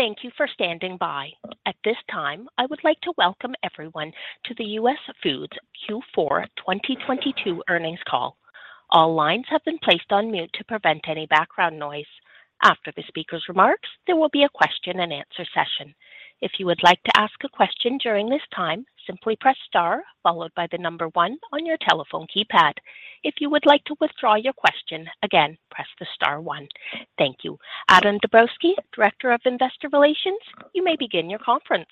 Thank you for standing by. At this time, I would like to welcome everyone to the US Foods Q4 2022 earnings call. All lines have been placed on mute to prevent any background noise. After the speaker's remarks, there will be a question and answer session. If you would like to ask a question during this time, simply press star followed by 1 on your telephone keypad. If you would like to withdraw your question, again, press the star 1. Thank you. Adam Dabrowski, Director of Investor Relations, you may begin your conference.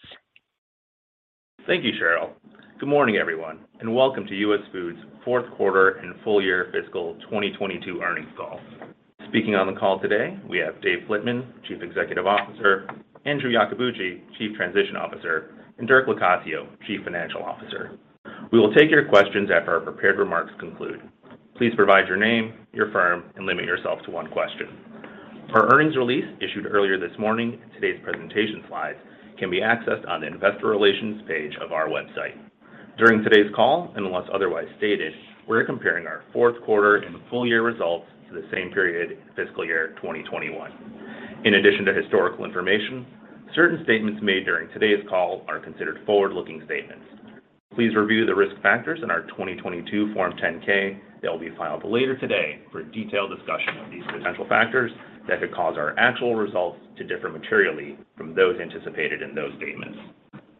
Thank you, Cheryl. Good morning, everyone, and welcome to US Foods fourth quarter and full year fiscal 2022 earnings call. Speaking on the call today, we have Dave Flitman, Chief Executive Officer, Andrew Iacobucci, Chief Transition Officer, and Dirk Locascio, Chief Financial Officer. We will take your questions after our prepared remarks conclude. Please provide your name, your firm, and limit yourself to one question. Our earnings release issued earlier this morning and today's presentation slides can be accessed on the investor relations page of our website. During today's call, unless otherwise stated, we're comparing our fourth quarter and full year results to the same period in fiscal year 2021. In addition to historical information, certain statements made during today's call are considered forward-looking statements. Please review the risk factors in our 2022 Form 10-K that will be filed later today for a detailed discussion of these potential factors that could cause our actual results to differ materially from those anticipated in those statements.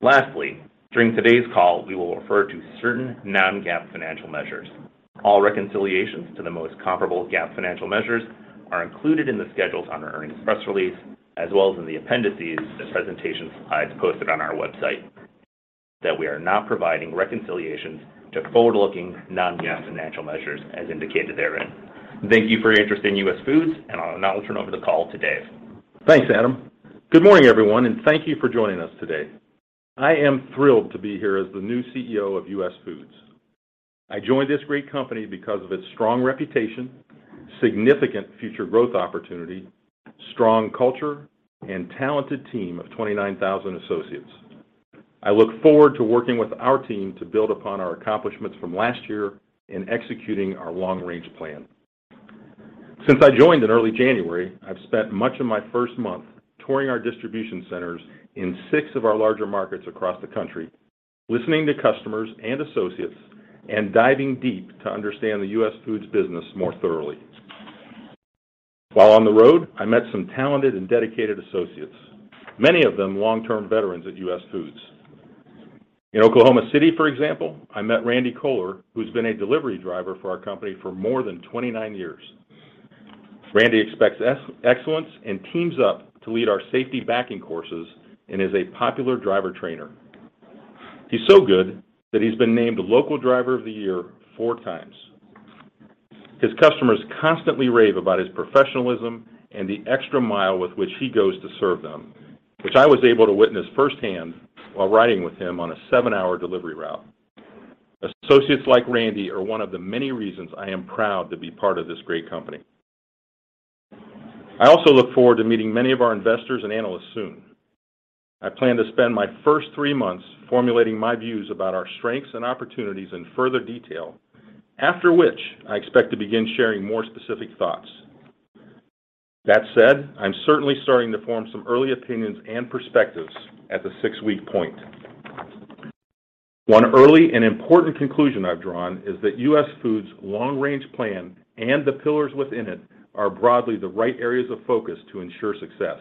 Lastly, during today's call, we will refer to certain non-GAAP financial measures. All reconciliations to the most comparable GAAP financial measures are included in the schedules on our earnings press release, as well as in the appendices of the presentation slides posted on our website that we are not providing reconciliations to forward-looking non-GAAP financial measures as indicated therein. Thank you for your interest in US Foods, and I'll now turn over the call to Dave. Thanks, Adam. Good morning, everyone, and thank you for joining us today. I am thrilled to be here as the new CEO of US Foods. I joined this great company because of its strong reputation, significant future growth opportunity, strong culture, and talented team of 29,000 associates. I look forward to working with our team to build upon our accomplishments from last year in executing our long-range plan. Since I joined in early January, I've spent much of my first month touring our distribution centers in six of our larger markets across the country, listening to customers and associates, and diving deep to understand the US Foods business more thoroughly. While on the road, I met some talented and dedicated associates, many of them long-term veterans at US Foods. In Oklahoma City, for example, I met Randy Kohler, who's been a delivery driver for our company for more than 29 years. Randy expects excellence and teams up to lead our safety backing courses and is a popular driver trainer. He's so good that he's been named local driver of the year 4x. His customers constantly rave about his professionalism and the extra mile with which he goes to serve them, which I was able to witness firsthand while riding with him on a seven-hour delivery route. Associates like Randy are one of the many reasons I am proud to be part of this great company. I also look forward to meeting many of our investors and analysts soon. I plan to spend my first three months formulating my views about our strengths and opportunities in further detail, after which I expect to begin sharing more specific thoughts. I'm certainly starting to form some early opinions and perspectives at the six-week point. One early and important conclusion I've drawn is that US Foods' long-range plan and the pillars within it are broadly the right areas of focus to ensure success.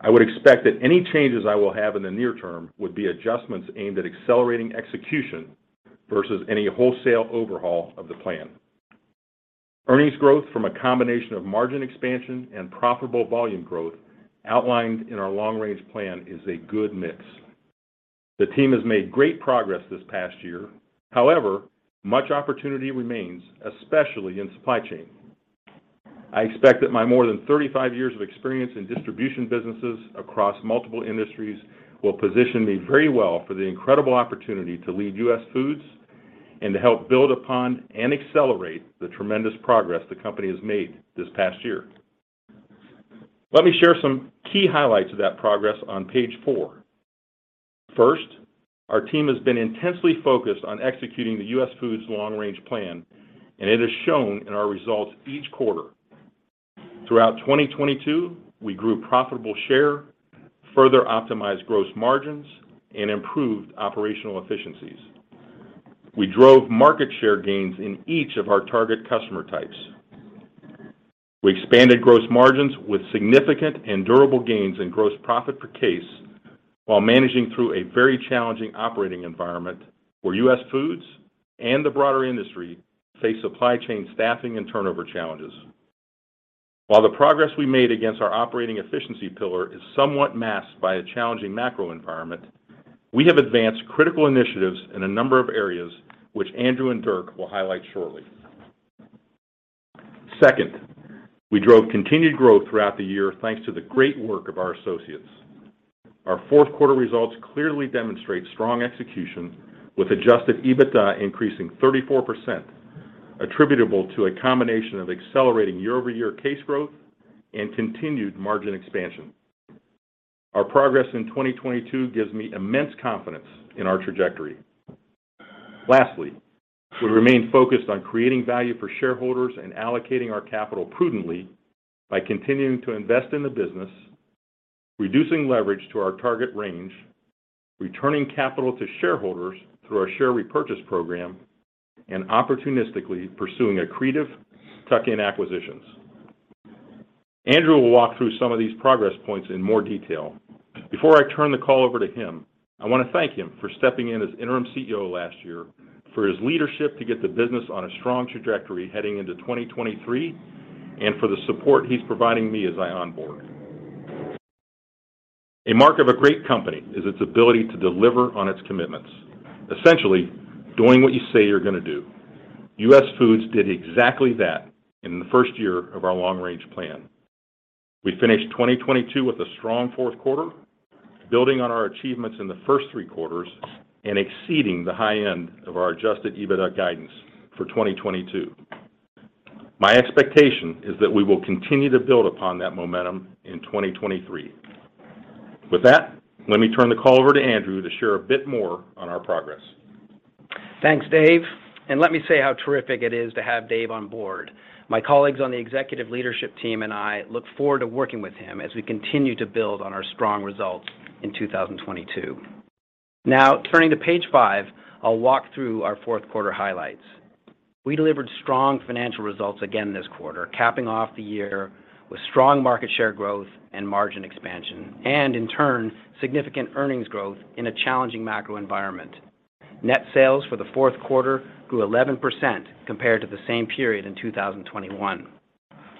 I would expect that any changes I will have in the near term would be adjustments aimed at accelerating execution versus any wholesale overhaul of the plan. Earnings growth from a combination of margin expansion and profitable volume growth outlined in our long-range plan is a good mix. The team has made great progress this past year. However, much opportunity remains, especially in supply chain. I expect that my more than 35 years of experience in distribution businesses across multiple industries will position me very well for the incredible opportunity to lead US Foods and to help build upon and accelerate the tremendous progress the company has made this past year. Let me share some key highlights of that progress on page four. First, our team has been intensely focused on executing the US Foods long-range plan, and it is shown in our results each quarter. Throughout 2022, we grew profitable share, further optimized gross margins, and improved operational efficiencies. We drove market share gains in each of our target customer types. We expanded gross margins with significant and durable gains in gross profit per case, while managing through a very challenging operating environment where US Foods and the broader industry face supply chain staffing and turnover challenges. While the progress we made against our operating efficiency pillar is somewhat masked by a challenging macro environment, we have advanced critical initiatives in a number of areas which Andrew and Dirk will highlight shortly. Second, we drove continued growth throughout the year, thanks to the great work of our associates. Our fourth quarter results clearly demonstrate strong execution with Adjusted EBITDA increasing 34%, attributable to a combination of accelerating year-over-year case growth and continued margin expansion. Our progress in 2022 gives me immense confidence in our trajectory. Lastly, we remain focused on creating value for shareholders and allocating our capital prudently by continuing to invest in the business, reducing leverage to our target range, returning capital to shareholders through our share repurchase program, and opportunistically pursuing accretive tuck-in acquisitions. Andrew will walk through some of these progress points in more detail. Before I turn the call over to him, I want to thank him for stepping in as interim CEO last year for his leadership to get the business on a strong trajectory heading into 2023, and for the support he's providing me as I onboard. A mark of a great company is its ability to deliver on its commitments, essentially doing what you say you're gonna do. US Foods did exactly that in the first year of our long-range plan. We finished 2022 with a strong fourth quarter, building on our achievements in the first three quarters and exceeding the high end of our Adjusted EBITDA guidance for 2022. My expectation is that we will continue to build upon that momentum in 2023. With that, let me turn the call over to Andrew to share a bit more on our progress. Thanks, Dave, and let me say how terrific it is to have Dave on board. My colleagues on the executive leadership team and I look forward to working with him as we continue to build on our strong results in 2022. Turning to page five, I'll walk through our fourth quarter highlights. We delivered strong financial results again this quarter, capping off the year with strong market share growth and margin expansion, and in turn, significant earnings growth in a challenging macro environment. Net sales for the fourth quarter grew 11% compared to the same period in 2021.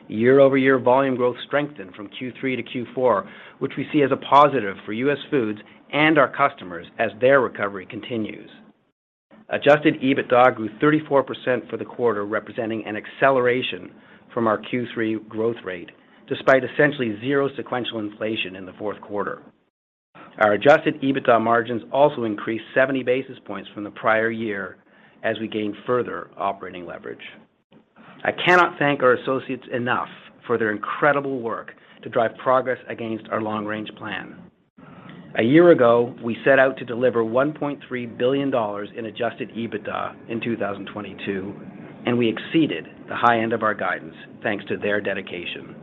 Year-over-year volume growth strengthened from Q3 to Q4, which we see as a positive for US Foods and our customers as their recovery continues. Adjusted EBITDA grew 34% for the quarter, representing an acceleration from our Q3 growth rate, despite essentially zero sequential inflation in the fourth quarter. Our Adjusted EBITDA margins also increased 70 basis points from the prior year as we gained further operating leverage. I cannot thank our associates enough for their incredible work to drive progress against our long-range plan. A year ago, we set out to deliver $1.3 billion in Adjusted EBITDA in 2022, we exceeded the high end of our guidance, thanks to their dedication.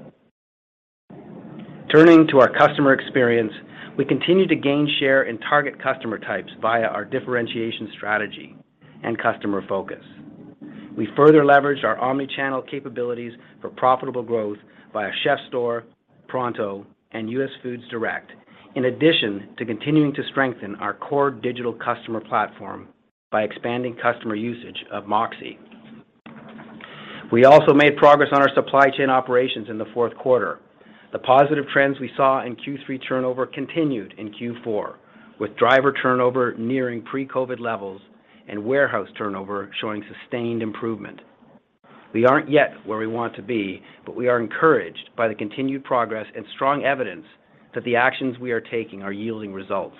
Turning to our customer experience, we continue to gain share in target customer types via our differentiation strategy and customer focus. We further leveraged our omni-channel capabilities for profitable growth via CHEF'STORE, Pronto, and US Foods Direct, in addition to continuing to strengthen our core digital customer platform by expanding customer usage of MOXē. We also made progress on our supply chain operations in the fourth quarter. The positive trends we saw in Q3 turnover continued in Q4, with driver turnover nearing pre-COVID levels and warehouse turnover showing sustained improvement. We aren't yet where we want to be, but we are encouraged by the continued progress and strong evidence that the actions we are taking are yielding results.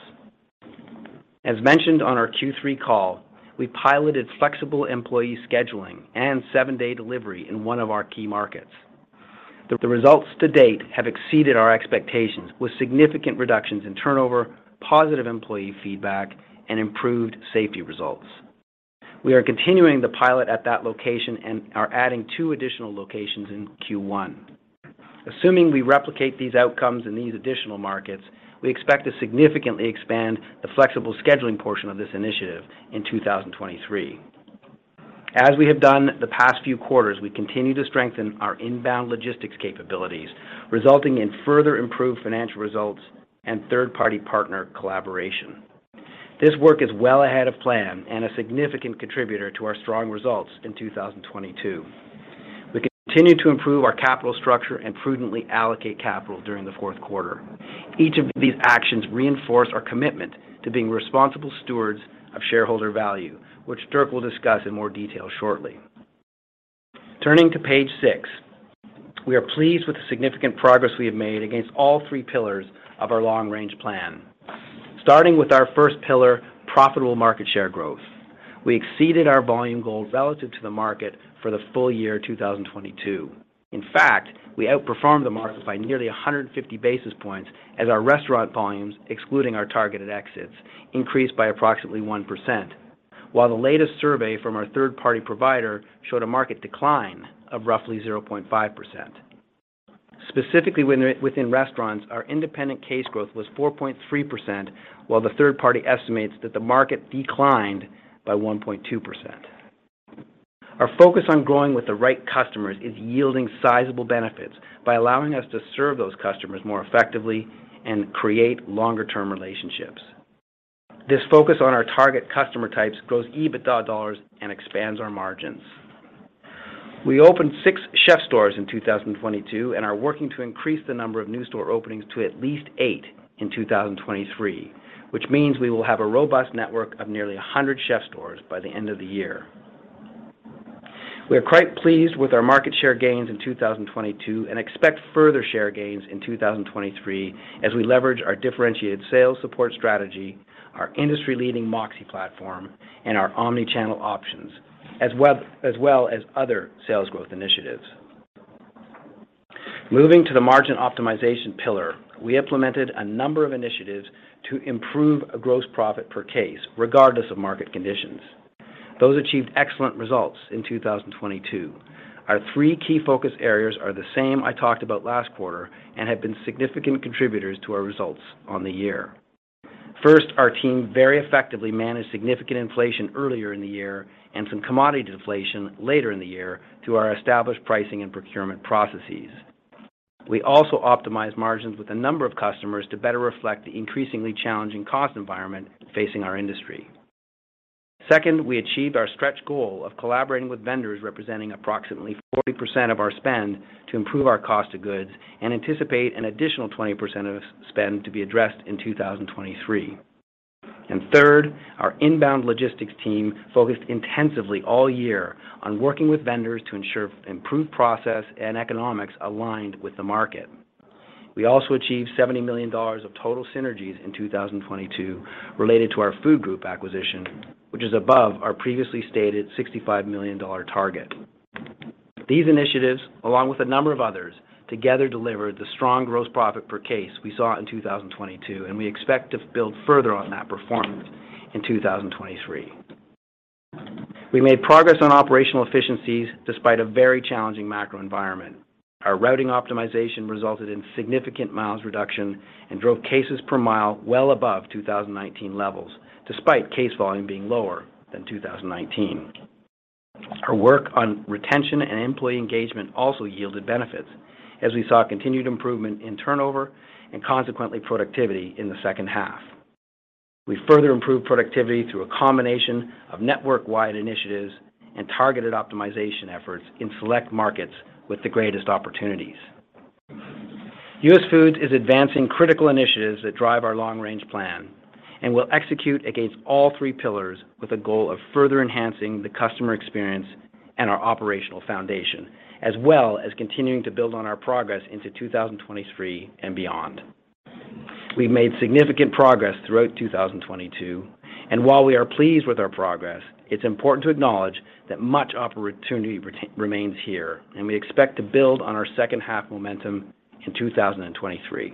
As mentioned on our Q3 call, we piloted flexible employee scheduling and seven-day delivery in one of our key markets. The results to date have exceeded our expectations, with significant reductions in turnover, positive employee feedback, and improved safety results. We are continuing the pilot at that location and are adding two additional locations in Q1. Assuming we replicate these outcomes in these additional markets, we expect to significantly expand the flexible scheduling portion of this initiative in 2023. As we have done the past few quarters, we continue to strengthen our inbound logistics capabilities, resulting in further improved financial results and third-party partner collaboration. This work is well ahead of plan and a significant contributor to our strong results in 2022. We continue to improve our capital structure and prudently allocate capital during the fourth quarter. Each of these actions reinforce our commitment to being responsible stewards of shareholder value, which Dirk will discuss in more detail shortly. Turning to page six, we are pleased with the significant progress we have made against all three pillars of our long-range plan. Starting with our first pillar, profitable market share growth, we exceeded our volume goals relative to the market for the full year 2022. In fact, we outperformed the market by nearly 150 basis points as our restaurant volumes, excluding our targeted exits, increased by approximately 1%, while the latest survey from our third-party provider showed a market decline of roughly 0.5%. Specifically within restaurants, our independent case growth was 4.3%, while the third party estimates that the market declined by 1.2%. Our focus on growing with the right customers is yielding sizable benefits by allowing us to serve those customers more effectively and create longer-term relationships. This focus on our target customer types grows EBITDA dollars and expands our margins. We opened six CHEF'STOREs in 2022 and are working to increase the number of new store openings to at least eight in 2023, which means we will have a robust network of nearly 100 CHEF'STOREs by the end of the year. We are quite pleased with our market share gains in 2022 and expect further share gains in 2023 as we leverage our differentiated sales support strategy, our industry-leading MOXē platform, and our omni-channel options, as well as other sales growth initiatives. Moving to the margin optimization pillar, we implemented a number of initiatives to improve a gross profit per case, regardless of market conditions. Those achieved excellent results in 2022. Our three key focus areas are the same I talked about last quarter and have been significant contributors to our results on the year. First, our team very effectively managed significant inflation earlier in the year and some commodity deflation later in the year through our established pricing and procurement processes. We also optimized margins with a number of customers to better reflect the increasingly challenging cost environment facing our industry. Second, we achieved our stretch goal of collaborating with vendors representing approximately 40% of our spend to improve our cost of goods and anticipate an additional 20% of spend to be addressed in 2023. Third, our inbound logistics team focused intensively all year on working with vendors to ensure improved process and economics aligned with the market. We also achieved $70 million of total synergies in 2022 related to our food group acquisition, which is above our previously stated $65 million target. These initiatives, along with a number of others, together delivered the strong gross profit per case we saw in 2022, and we expect to build further on that performance in 2023. We made progress on operational efficiencies despite a very challenging macro environment. Our routing optimization resulted in significant miles reduction and drove cases per mile well above 2019 levels, despite case volume being lower than 2019. Our work on retention and employee engagement also yielded benefits as we saw continued improvement in turnover and consequently productivity in the second half. We further improved productivity through a combination of network-wide initiatives and targeted optimization efforts in select markets with the greatest opportunities. US Foods is advancing critical initiatives that drive our long-range plan and will execute against all three pillars with a goal of further enhancing the customer experience and our operational foundation, as well as continuing to build on our progress into 2023 and beyond. We've made significant progress throughout 2022, and while we are pleased with our progress, it's important to acknowledge that much opportunity remains here, and we expect to build on our second half momentum in 2023.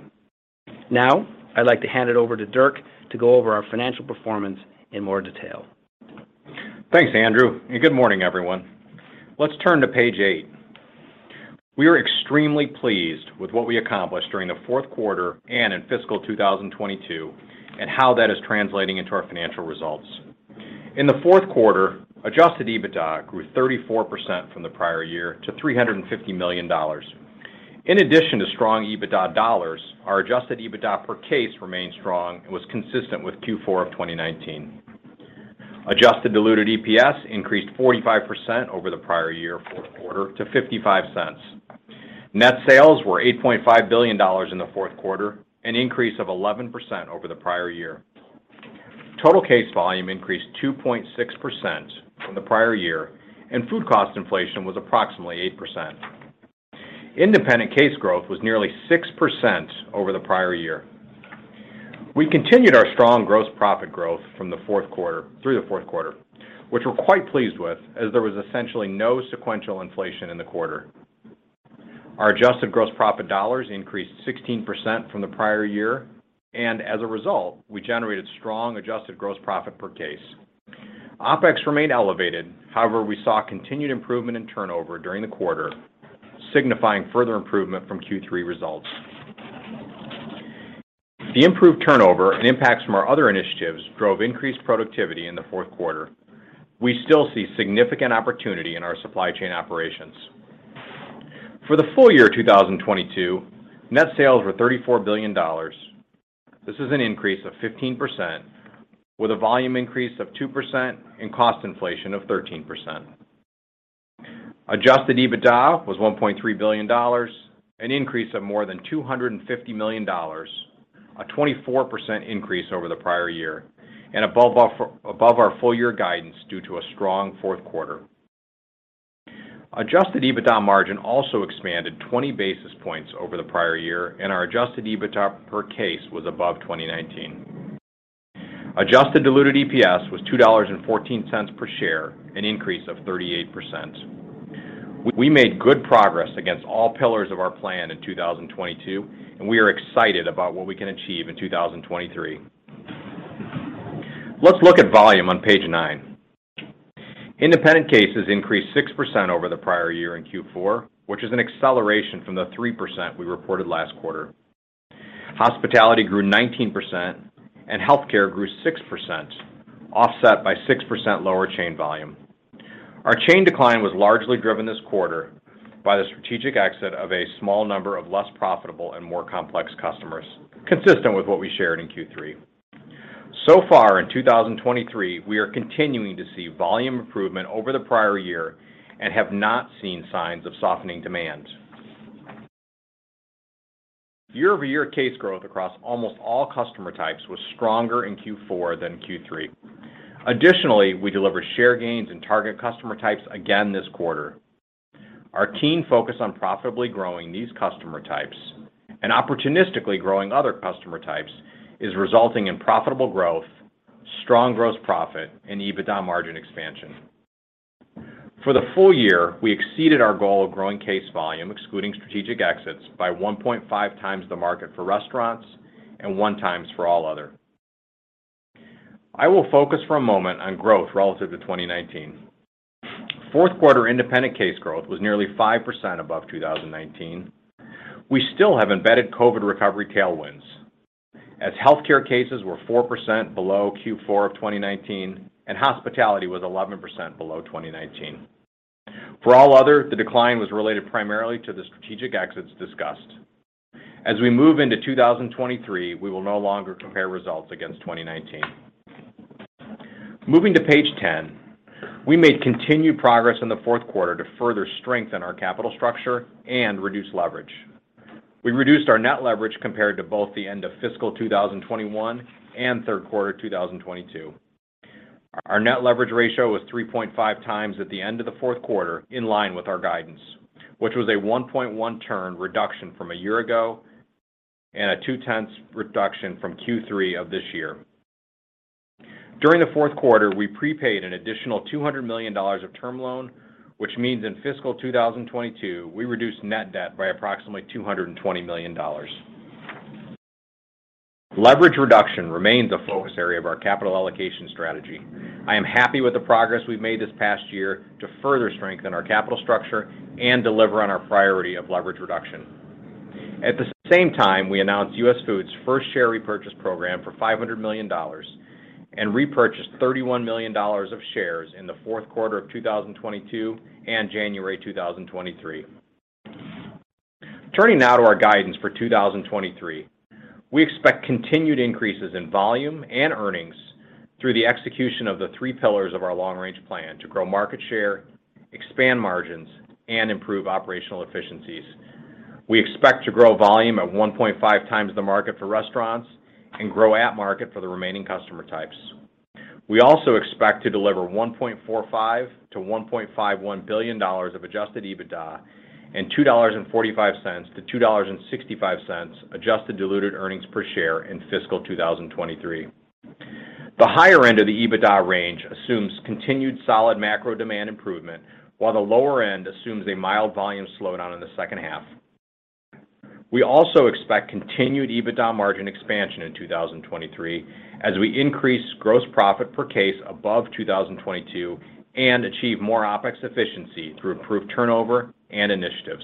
I'd like to hand it over to Dirk to go over our financial performance in more detail. Thanks, Andrew, good morning, everyone. Let's turn to page eight. We are extremely pleased with what we accomplished during the fourth quarter and in fiscal 2022 and how that is translating into our financial results. In the fourth quarter, Adjusted EBITDA grew 34% from the prior year to $350 million. In addition to strong EBITDA dollars, our Adjusted EBITDA per case remained strong and was consistent with Q4 of 2019. Adjusted diluted EPS increased 45% over the prior year fourth quarter to $0.55. Net sales were $8.5 billion in the fourth quarter, an increase of 11% over the prior year. Total case volume increased 2.6% from the prior year, and food cost inflation was approximately 8%. Independent case growth was nearly 6% over the prior year. We continued our strong gross profit growth from the fourth quarter through the fourth quarter, which we're quite pleased with as there was essentially no sequential inflation in the quarter. Our adjusted gross profit dollars increased 16% from the prior year, and as a result, we generated strong adjusted gross profit per case. OpEx remained elevated. However, we saw continued improvement in turnover during the quarter, signifying further improvement from Q3 results. The improved turnover and impacts from our other initiatives drove increased productivity in the fourth quarter. We still see significant opportunity in our supply chain operations. For the full year 2022, net sales were $34 billion. This is an increase of 15% with a volume increase of 2% and cost inflation of 13%. Adjusted EBITDA was $1.3 billion, an increase of more than $250 million, a 24% increase over the prior year, and above our full year guidance due to a strong fourth quarter. Adjusted EBITDA margin also expanded 20 basis points over the prior year, and our Adjusted EBITDA per case was above 2019. Adjusted Diluted EPS was $2.14 per share, an increase of 38%. We made good progress against all pillars of our plan in 2022, and we are excited about what we can achieve in 2023. Let's look at volume on page nine. Independent cases increased 6% over the prior year in Q4, which is an acceleration from the 3% we reported last quarter. Hospitality grew 19%, and healthcare grew 6%, offset by 6% lower chain volume. Our chain decline was largely driven this quarter by the strategic exit of a small number of less profitable and more complex customers, consistent with what we shared in Q3. Far in 2023, we are continuing to see volume improvement over the prior year and have not seen signs of softening demand. Year-over-year case growth across almost all customer types was stronger in Q4 than Q3. Additionally, we delivered share gains in target customer types again this quarter. Our keen focus on profitably growing these customer types and opportunistically growing other customer types is resulting in profitable growth, strong gross profit, and EBITDA margin expansion. For the full year, we exceeded our goal of growing case volume, excluding strategic exits, by 1.5x the market for restaurants and 1x for all other. I will focus for a moment on growth relative to 2019. Fourth quarter independent case growth was nearly 5% above 2019. We still have embedded COVID recovery tailwinds, as healthcare cases were 4% below Q4 of 2019 and hospitality was 11% below 2019. For all other, the decline was related primarily to the strategic exits discussed. As we move into 2023, we will no longer compare results against 2019. Moving to page 10. We made continued progress in the fourth quarter to further strengthen our capital structure and reduce leverage. We reduced our net leverage compared to both the end of fiscal 2021 and third quarter 2022. Our net leverage ratio was 3.5x at the end of the fourth quarter, in line with our guidance, which was a 1.1 turn reduction from a year ago and a 0.2 reduction from Q3 of this year. During the fourth quarter, we prepaid an additional $200 million of term loan, which means in fiscal 2022, we reduced net debt by approximately $220 million. Leverage reduction remains a focus area of our capital allocation strategy. I am happy with the progress we've made this past year to further strengthen our capital structure and deliver on our priority of leverage reduction. At the same time, we announced US Foods first share repurchase program for $500 million and repurchased $31 million of shares in the fourth quarter of 2022 and January 2023. Turning now to our guidance for 2023. We expect continued increases in volume and earnings through the execution of the three pillars of our long-range plan to grow market share, expand margins, and improve operational efficiencies. We expect to grow volume at 1.5x the market for restaurants and grow at market for the remaining customer types. We also expect to deliver $1.45 billion-$1.51 billion of Adjusted EBITDA and $2.45-$2.65 adjusted diluted earnings per share in fiscal 2023. The higher end of the EBITDA range assumes continued solid macro demand improvement, while the lower end assumes a mild volume slowdown in the second half. We also expect continued EBITDA margin expansion in 2023 as we increase gross profit per case above 2022 and achieve more OpEx efficiency through improved turnover and initiatives.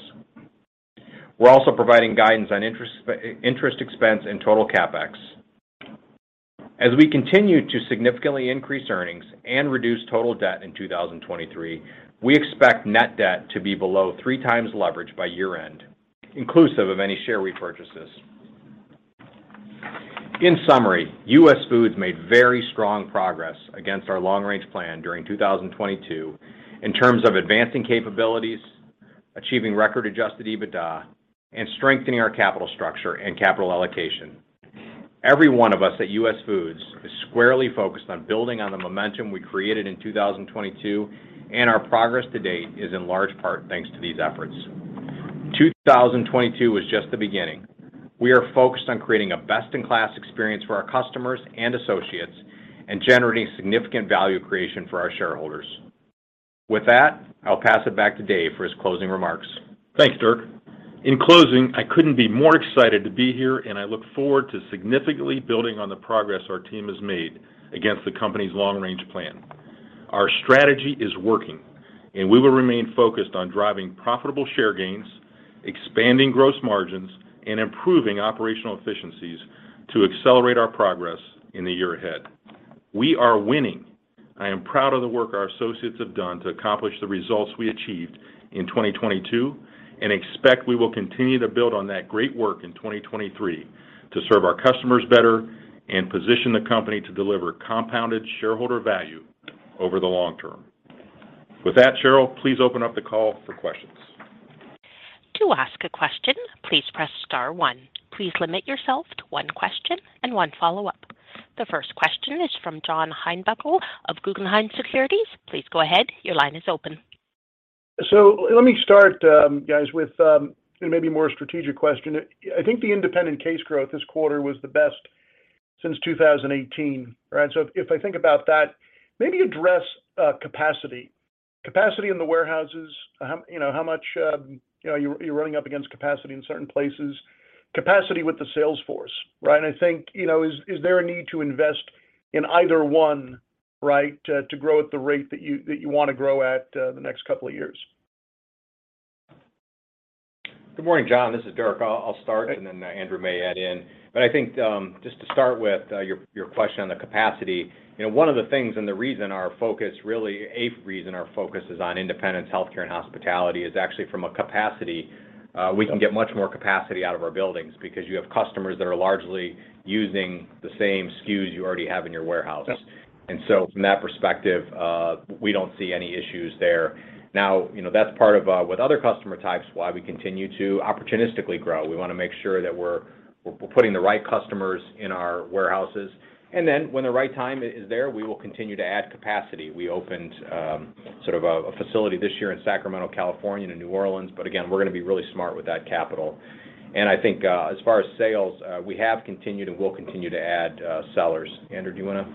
We're also providing guidance on interest expense and total CapEx. As we continue to significantly increase earnings and reduce total debt in 2023, we expect net debt to be below 3x leverage by year-end, inclusive of any share repurchases. In summary, US Foods made very strong progress against our long-range plan during 2022 in terms of advancing capabilities, achieving record Adjusted EBITDA, and strengthening our capital structure and capital allocation. Every one of us at US Foods is squarely focused on building on the momentum we created in 2022. Our progress to date is in large part, thanks to these efforts. 2022 was just the beginning. We are focused on creating a best-in-class experience for our customers and associates and generating significant value creation for our shareholders. With that, I'll pass it back to Dave for his closing remarks. Thanks, Dirk. In closing, I couldn't be more excited to be here, and I look forward to significantly building on the progress our team has made against the company's long-range plan. Our strategy is working, and we will remain focused on driving profitable share gains, expanding gross margins, and improving operational efficiencies to accelerate our progress in the year ahead. We are winning. I am proud of the work our associates have done to accomplish the results we achieved in 2022 and expect we will continue to build on that great work in 2023 to serve our customers better and position the company to deliver compounded shareholder value over the long term. With that, Cheryl, please open up the call for questions. To ask a question, please press star one. Please limit yourself to one question and one follow-up. The first question is from John Heinbockel of Guggenheim Securities. Please go ahead. Your line is open. Let me start, guys, with maybe a more strategic question. I think the independent case growth this quarter was the best since 2018, right? If I think about that, maybe address capacity. Capacity in the warehouses, how, you know, how much, you know, you're running up against capacity in certain places, capacity with the sales force, right? I think, you know, is there a need to invest in either one, right, to grow at the rate that you, that you want to grow at the next couple of years? Good morning, John, this is Dirk. I'll start and then Andrew may add in. I think, just to start with, your question on the capacity, you know, one of the things and a reason our focus is on independence, healthcare, and hospitality is actually from a capacity. We can get much more capacity out of our buildings because you have customers that are largely using the same SKUs you already have in our warehouse. Yep. From that perspective, we don't see any issues there. Now, you know, that's part of, with other customer types, why we continue to opportunistically grow. We wanna make sure that we're putting the right customers in our warehouses. When the right time is there, we will continue to add capacity. We opened, sort of a facility this year in Sacramento, California, and in New Orleans, again, we're gonna be really smart with that capital. I think, as far as sales, we have continued and will continue to add sellers. Andrew, do you wanna?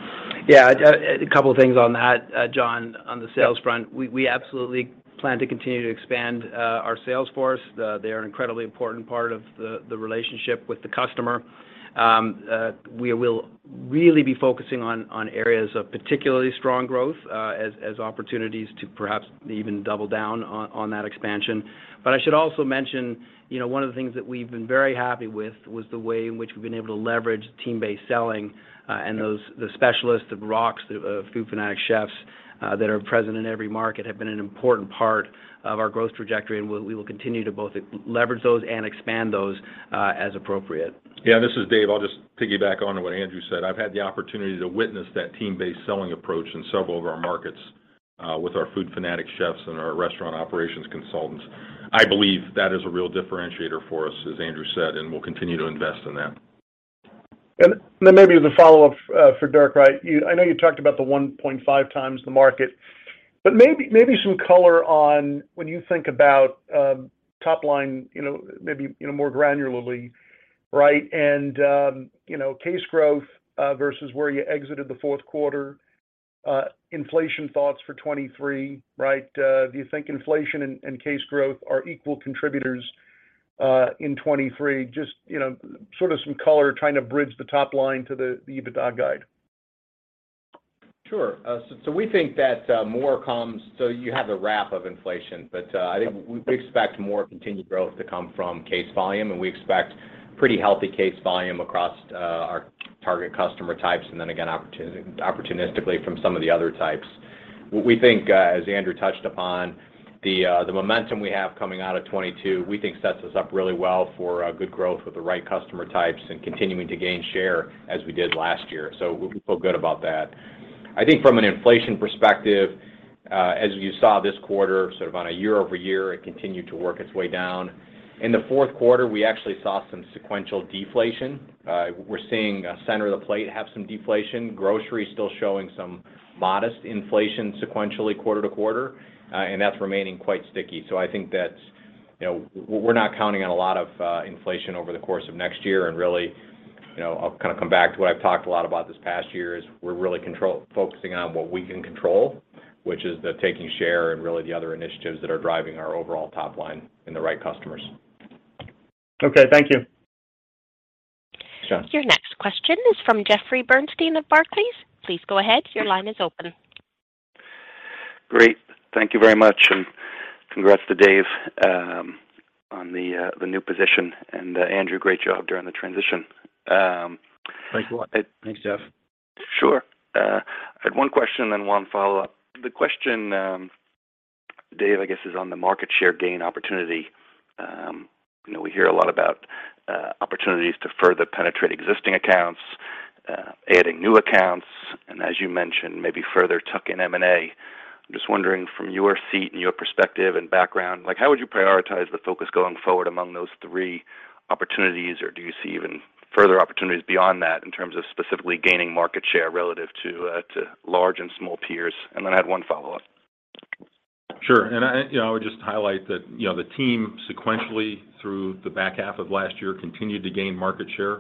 Yeah, a couple of things on that, John, on the sales front. We absolutely plan to continue to expand our sales force. They are an incredibly important part of the relationship with the customer. We will really be focusing on areas of particularly strong growth as opportunities to perhaps even double down on that expansion. I should also mention, you know, one of the things that we've been very happy with was the way in which we've been able to leverage team-based selling, and the specialists, the ROCs, the Food Fanatic Chefs that are present in every market have been an important part of our growth trajectory, and we will continue to both leverage those and expand those as appropriate. Yeah, this is Dave. I'll just piggyback on to what Andrew said. I've had the opportunity to witness that team-based selling approach in several of our markets, with our Food Fanatics Chefs and our Restaurant Operations Consultants. I believe that is a real differentiator for us, as Andrew said, and we'll continue to invest in that. Maybe as a follow-up for Dirk, right? I know you talked about the 1.5x the market, but maybe some color on when you think about top line, you know, maybe, you know, more granularly, right? You know, case growth versus where you exited the fourth quarter, inflation thoughts for 2023, right? Do you think inflation and case growth are equal contributors in 2023? Just, you know, sort of some color trying to bridge the top line to the EBITDA guide. Sure. We think that So you have the wrap of inflation, but I think we expect more continued growth to come from case volume, and we expect pretty healthy case volume across our target customer types and then again, opportunistically from some of the other types. We think as Andrew touched upon, the momentum we have coming out of 2022, we think sets us up really well for good growth with the right customer types and continuing to gain share as we did last year. We feel good about that. I think from an inflation perspective, as you saw this quarter, sort of on a year-over-year, it continued to work its way down. In the fourth quarter, we actually saw some sequential deflation. We're seeing center of the plate have some deflation. Grocery is still showing some modest inflation sequentially quarter-to-quarter, and that's remaining quite sticky. I think that's, you know, we're not counting on a lot of inflation over the course of next year. Really, you know, I'll kind of come back to what I've talked a lot about this past year is we're really focusing on what we can control, which is the taking share and really the other initiatives that are driving our overall top line in the right customers. Okay, thank you. John. Your next question is from Jeffrey Bernstein of Barclays. Please go ahead. Your line is open. Great. Thank you very much. Congrats to Dave, on the new position. Andrew, great job during the transition. Thanks a lot. Thanks, Jeff. Sure. I had one question and one follow-up. The question, Dave, I guess is on the market share gain opportunity. You know, we hear a lot about opportunities to further penetrate existing accounts, adding new accounts, and as you mentioned, maybe further tuck-in M&A. I'm just wondering from your seat and your perspective and background, like, how would you prioritize the focus going forward among those three opportunities? Or do you see even further opportunities beyond that in terms of specifically gaining market share relative to large and small peers? I had one follow-up. Sure. I, you know, I would just highlight that, you know, the team sequentially through the back half of last year continued to gain market share.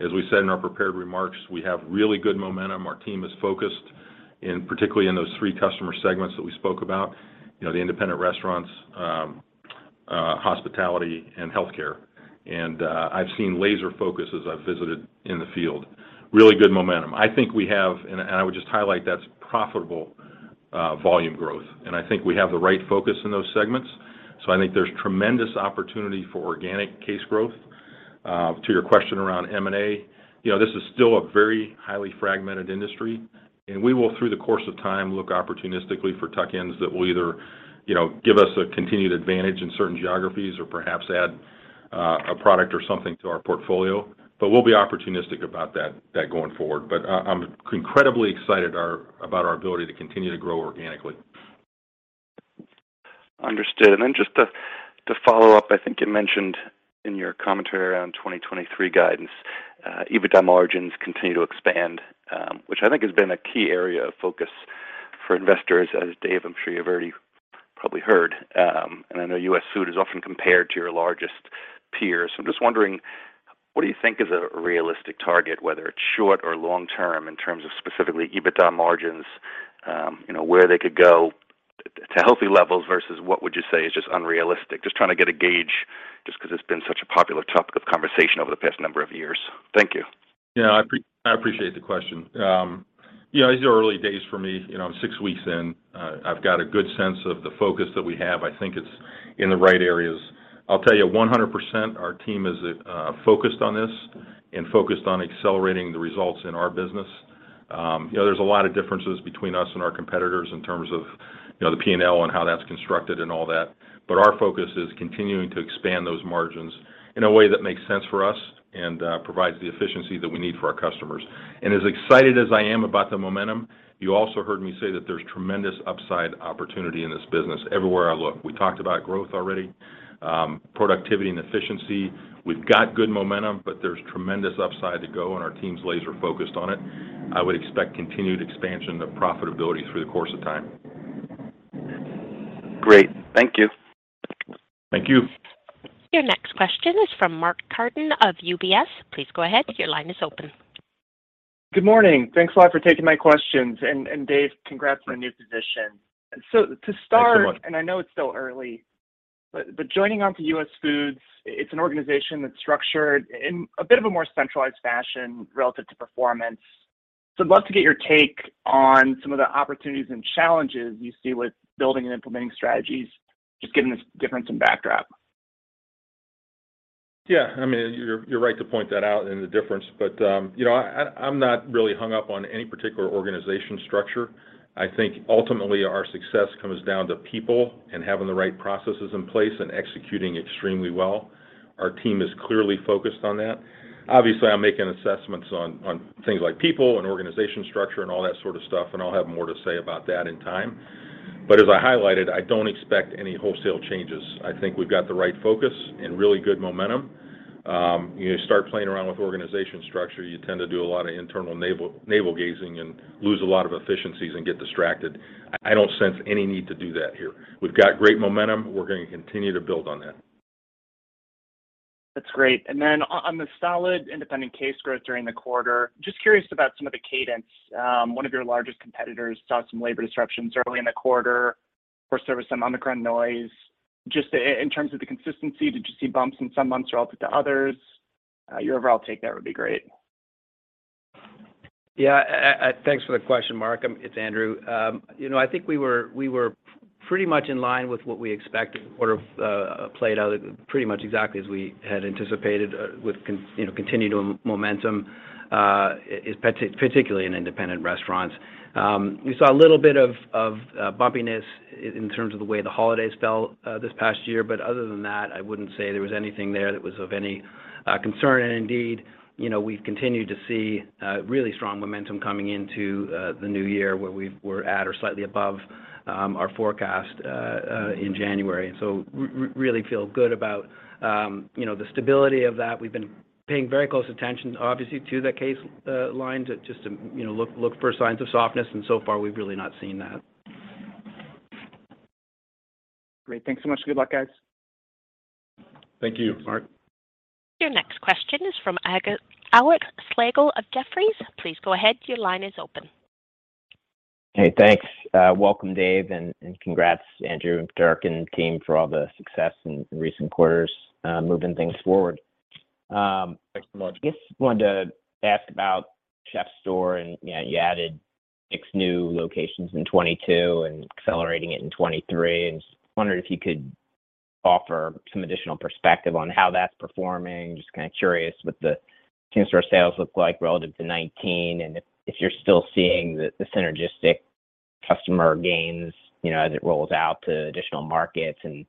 As we said in our prepared remarks, we have really good momentum. Our team is focused in, particularly in those three customer segments that we spoke about. You know, the independent restaurants, hospitality and healthcare. I've seen laser focus as I've visited in the field. Really good momentum. I think we have, and I would just highlight that's profitable, volume growth. I think we have the right focus in those segments. I think there's tremendous opportunity for organic case growth. To your question around M&A, you know, this is still a very highly fragmented industry. We will, through the course of time, look opportunistically for tuck-ins that will either, you know, give us a continued advantage in certain geographies or perhaps add a product or something to our portfolio. We'll be opportunistic about that going forward. I'm incredibly excited about our ability to continue to grow organically. Understood. Just to follow up, I think you mentioned in your commentary around 2023 guidance, EBITDA margins continue to expand, which I think has been a key area of focus for investors. As Dave, I'm sure you've already probably heard, and I know US Foods is often compared to your largest peers. I'm just wondering, what do you think is a realistic target, whether it's short or long term, in terms of specifically EBITDA margins, you know, where they could go to healthy levels versus what would you say is just unrealistic? Just trying to get a gauge just 'cause it's been such a popular topic of conversation over the past number of years. Thank you. Yeah, I appreciate the question. You know, these are early days for me. You know, I'm six weeks in. I've got a good sense of the focus that we have. I think it's in the right areas. I'll tell you, 100%, our team is focused on this and focused on accelerating the results in our business. You know, there's a lot of differences between us and our competitors in terms of, you know, the P&L and how that's constructed and all that. Our focus is continuing to expand those margins in a way that makes sense for us and provides the efficiency that we need for our customers. As excited as I am about the momentum, you also heard me say that there's tremendous upside opportunity in this business everywhere I look. We talked about growth already, productivity and efficiency. We've got good momentum, but there's tremendous upside to go, and our team's laser focused on it. I would expect continued expansion of profitability through the course of time. Great. Thank you. Thank you. Your next question is from Mark Carden of UBS. Please go ahead, your line is open. Good morning. Thanks a lot for taking my questions. And Dave, congrats on your new position. Thanks so much. To start, and I know it's still early, but joining onto US Foods, it's an organization that's structured in a bit of a more centralized fashion relative to Performance. I'd love to get your take on some of the opportunities and challenges you see with building and implementing strategies, just given this difference in backdrop. Yeah. I mean, you're right to point that out and the difference. But, you know, I'm not really hung up on any particular organization structure. I think ultimately our success comes down to people and having the right processes in place and executing extremely well. Our team is clearly focused on that. Obviously, I'm making assessments on things like people and organization structure and all that sort of stuff, and I'll have more to say about that in time. As I highlighted, I don't expect any wholesale changes. I think we've got the right focus and really good momentum. You start playing around with organization structure, you tend to do a lot of internal navel gazing and lose a lot of efficiencies and get distracted. I don't sense any need to do that here. We've got great momentum. We're gonna continue to build on that. That's great. On the solid independent case growth during the quarter, just curious about some of the cadence. One of your largest competitors saw some labor disruptions early in the quarter or service some Omicron noise. In terms of the consistency, did you see bumps in some months relative to others? Your overall take there would be great. Yeah. Thanks for the question, Mark. It's Andrew. You know, I think we were pretty much in line with what we expected. The quarter played out pretty much exactly as we had anticipated, with, you know, continuing momentum, particularly in independent restaurants. We saw a little bit of bumpiness in terms of the way the holidays fell this past year. Other than that, I wouldn't say there was anything there that was of any concern. Indeed, you know, we've continued to see really strong momentum coming into the new year, where we're at or slightly above our forecast in January. Really feel good about, you know, the stability of that. We've been paying very close attention, obviously, to the case, lines just to, you know, look for signs of softness. So far we've really not seen that. Great. Thanks so much. Good luck, guys. Thank you, Mark. Your next question is from Alex Slagle of Jefferies. Please go ahead. Your line is open. Hey, thanks. Welcome, Dave, and congrats, Andrew and Dirk and team for all the success in recent quarters, moving things forward. Thanks so much. I guess wanted to ask about CHEF'STORE and, you know, you added 6 new locations in 2022 and accelerating it in 2023, and just wondered if you could offer some additional perspective on how that's performing. Just kinda curious what the same store sales look like relative to 2019 and if you're still seeing the synergistic customer gains, you know, as it rolls out to additional markets and,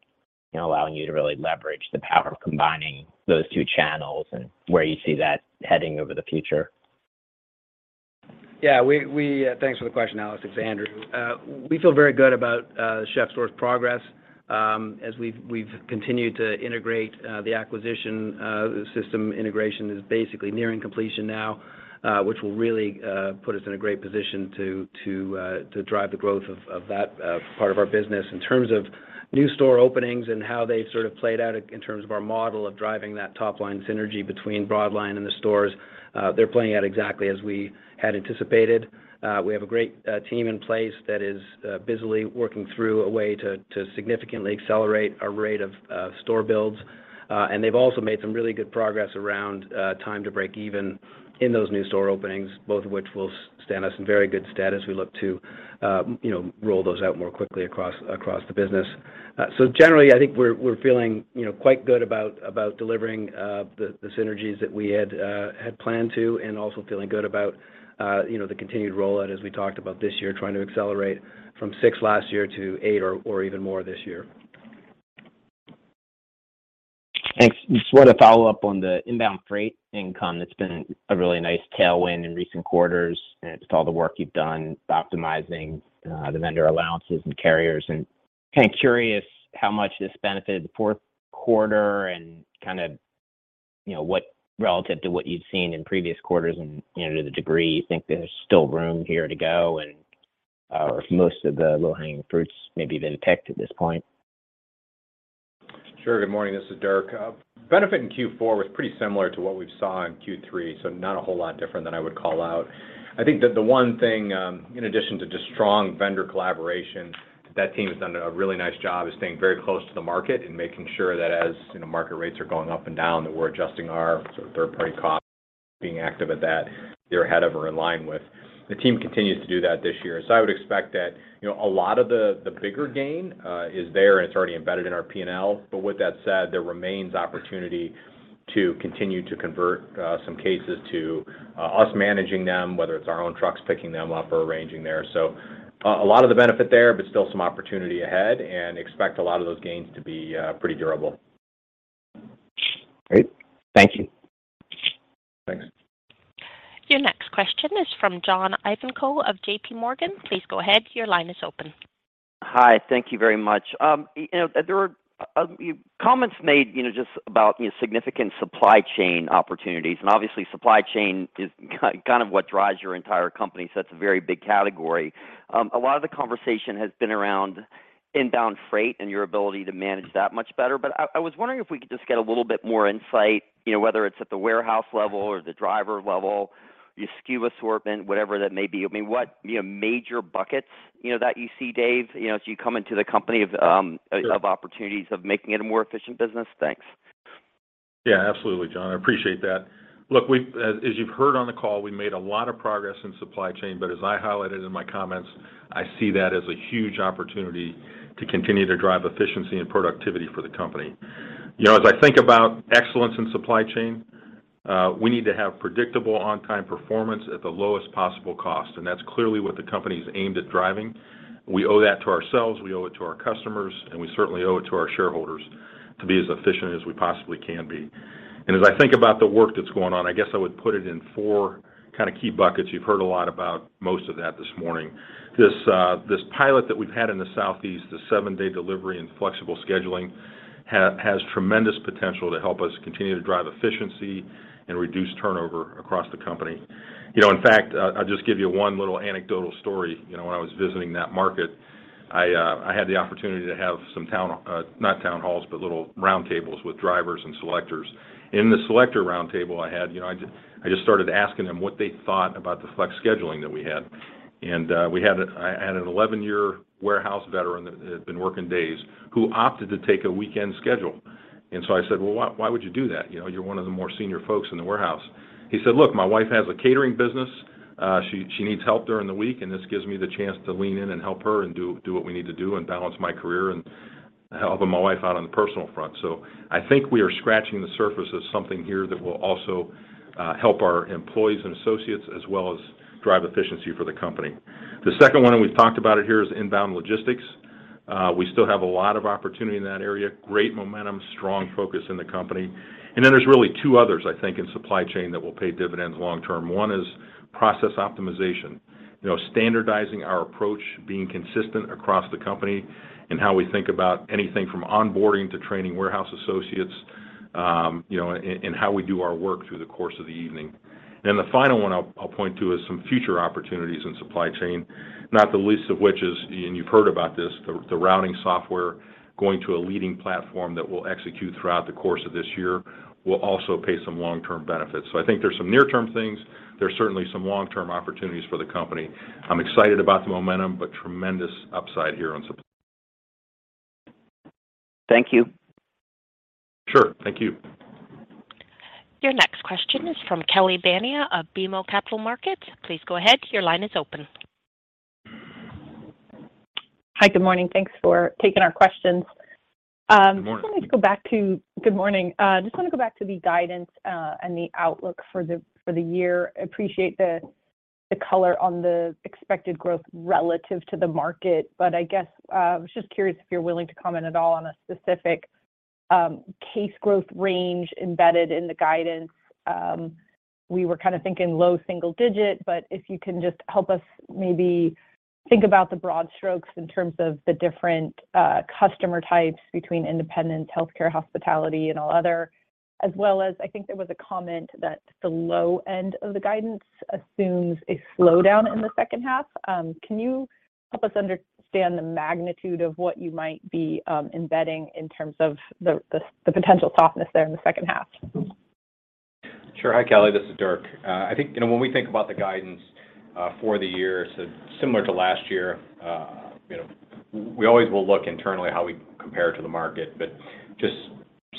you know, allowing you to really leverage the power of combining those two channels and where you see that heading over the future? Yeah. We. Thanks for the question, Alex. It's Andrew. We feel very good about CHEF'STORE's progress as we've continued to integrate the acquisition. The system integration is basically nearing completion now, which will really put us in a great position to drive the growth of that part of our business. In terms of new store openings and how they've sort of played out in terms of our model of driving that top line synergy between Broadline and the stores, they're playing out exactly as we had anticipated. We have a great team in place that is busily working through a way to significantly accelerate our rate of store builds. They've also made some really good progress around time to break even in those new store openings, both of which will stand us in very good status as we look to, you know, roll those out more quickly across the business. Generally, I think we're feeling, you know, quite good about delivering, the synergies that we had planned to, and also feeling good about, you know, the continued rollout as we talked about this year, trying to accelerate from six last year to eight or even more this year. Thanks. Just wanted to follow up on the inbound freight income that's been a really nice tailwind in recent quarters and just all the work you've done optimizing the vendor allowances and carriers. Kinda curious how much this benefited the fourth quarter and kinda, you know, relative to what you've seen in previous quarters and, you know, to the degree you think there's still room here to go and or if most of the low-hanging fruits maybe have been picked at this point. Sure. Good morning. This is Dirk. Benefit in Q4 was pretty similar to what we saw in Q3. Not a whole lot different than I would call out. I think that the one thing, in addition to just strong vendor collaboration, that team has done a really nice job is staying very close to the market and making sure that as, you know, market rates are going up and down, that we're adjusting our sort of third party costs, being active at that, they're ahead of or in line with. The team continues to do that this year. I would expect that, you know, a lot of the bigger gain is there, and it's already embedded in our P&L. With that said, there remains opportunity to continue to convert some cases to us managing them, whether it's our own trucks picking them up or arranging there. A lot of the benefit there, but still some opportunity ahead and expect a lot of those gains to be pretty durable. Great. Thank you. Thanks. Your next question is from John Ivankoe of J.P. Morgan. Please go ahead. Your line is open. Hi. Thank you very much. You know, comments made, you know, just about, you know, significant supply chain opportunities, and obviously supply chain is kind of what drives your entire company, so that's a very big category. A lot of the conversation has been around inbound freight and your ability to manage that much better. I was wondering if we could just get a little bit more insight, you know, whether it's at the warehouse level or the driver level, your SKU assortment, whatever that may be. I mean, what, you know, major buckets, you know, that you see, Dave, you know, as you come into the company of. Sure Of opportunities of making it a more efficient business? Thanks. Yeah, absolutely, John. I appreciate that. Look, as you've heard on the call, we made a lot of progress in supply chain, but as I highlighted in my comments, I see that as a huge opportunity to continue to drive efficiency and productivity for the company. You know, as I think about excellence in supply chain, we need to have predictable on-time performance at the lowest possible cost, and that's clearly what the company's aimed at driving. We owe that to ourselves, we owe it to our customers, and we certainly owe it to our shareholders to be as efficient as we possibly can be. As I think about the work that's going on, I guess I would put it in four kind of key buckets. You've heard a lot about most of that this morning. This, this pilot that we've had in the southeast, the seven-day delivery and flexible scheduling has tremendous potential to help us continue to drive efficiency and reduce turnover across the company. You know, in fact, I'll just give you one little anecdotal story. You know, when I was visiting that market, I had the opportunity to have some not town halls, but little round tables with drivers and selectors. In the selector roundtable I had, you know, I just started asking them what they thought about the flex scheduling that we had. I had an 11-year warehouse veteran that had been working days who opted to take a weekend schedule. I said, "Well, why would you do that? You know, you're one of the more senior folks in the warehouse." He said, "Look, my wife has a catering business. She needs help during the week, and this gives me the chance to lean in and help her and do what we need to do and balance my career and helping my wife out on the personal front." I think we are scratching the surface of something here that will also help our employees and associates as well as drive efficiency for the company. The second one, and we've talked about it here, is inbound logistics. We still have a lot of opportunity in that area. Great momentum, strong focus in the company. There's really two others, I think, in supply chain that will pay dividends long term. One is process optimization. You know, standardizing our approach, being consistent across the company in how we think about anything from onboarding to training warehouse associates, you know, and how we do our work through the course of the evening. The final one I'll point to is some future opportunities in supply chain, not the least of which is, and you've heard about this, the routing software going to a leading platform that we'll execute throughout the course of this year will also pay some long-term benefits. I think there's some near-term things. There's certainly some long-term opportunities for the company. I'm excited about the momentum, but tremendous upside here on supply. Thank you. Sure. Thank you. Your next question is from Kelly Bania of BMO Capital Markets. Please go ahead. Your line is open. Hi. Good morning. Thanks for taking our questions. Good morning. Good morning. Just want to go back to the guidance and the outlook for the year. Appreciate the color on the expected growth relative to the market. I guess was just curious if you're willing to comment at all on a specific case growth range embedded in the guidance? We were kind of thinking low single digit, but if you can just help us maybe think about the broad strokes in terms of the different customer types between independent healthcare, hospitality, and all other? As well as I think there was a comment that the low end of the guidance assumes a slowdown in the second half. Can you help us understand the magnitude of what you might be embedding in terms of the potential softness there in the second half? Sure. Hi, Kelly. This is Dirk. I think, you know, when we think about the guidance for the year, similar to last year, you know, we always will look internally how we compare to the market. Just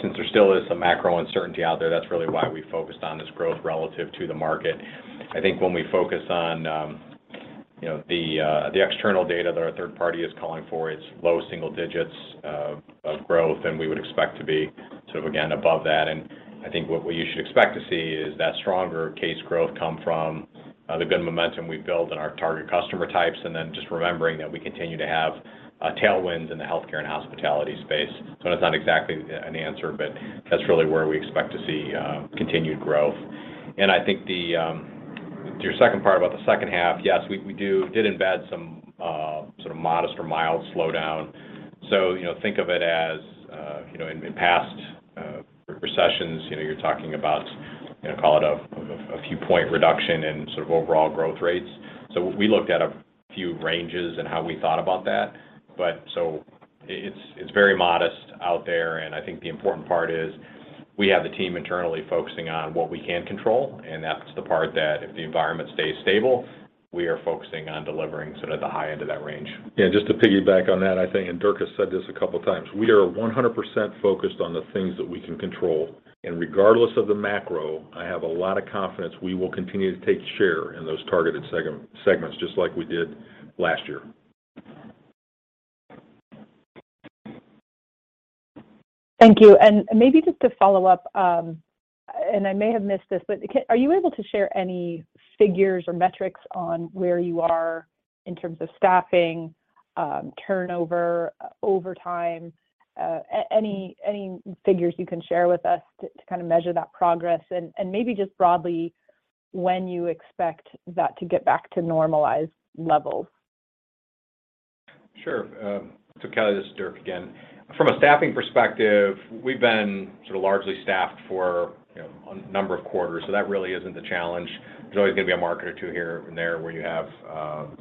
since there still is some macro uncertainty out there, that's really why we focused on this growth relative to the market. I think when we focus on, you know, the external data that our third party is calling for, it's low single digits of growth than we would expect to be, sort of again, above that. I think what you should expect to see is that stronger case growth come from the good momentum we've built in our target customer types, then just remembering that we continue to have tailwinds in the healthcare and hospitality space. That's not exactly an answer, but that's really where we expect to see continued growth. I think the to your second part about the second half, yes, we did embed some sort of modest or mild slowdown. You know, think of it as, you know, in past recessions, you know, you're talking about, you know, call it a few point reduction in sort of overall growth rates. We looked at a few ranges and how we thought about that. It's very modest out there, and I think the important part is we have the team internally focusing on what we can control, and that's the part that if the environment stays stable, we are focusing on delivering sort of the high end of that range. Yeah, just to piggyback on that, I think, Dirk has said this a couple times, we are 100% focused on the things that we can control. Regardless of the macro, I have a lot of confidence we will continue to take share in those targeted segments, just like we did last year. Thank you. Maybe just to follow up, and I may have missed this, but are you able to share any figures or metrics on where you are in terms of staffing, turnover, overtime? Any figures you can share with us to kind of measure that progress? Maybe just broadly, when you expect that to get back to normalized levels? Sure. Kelly, this is Dirk again. From a staffing perspective, we've been sort of largely staffed for, you know, a number of quarters, so that really isn't the challenge. There's always gonna be a market or two here and there where you have,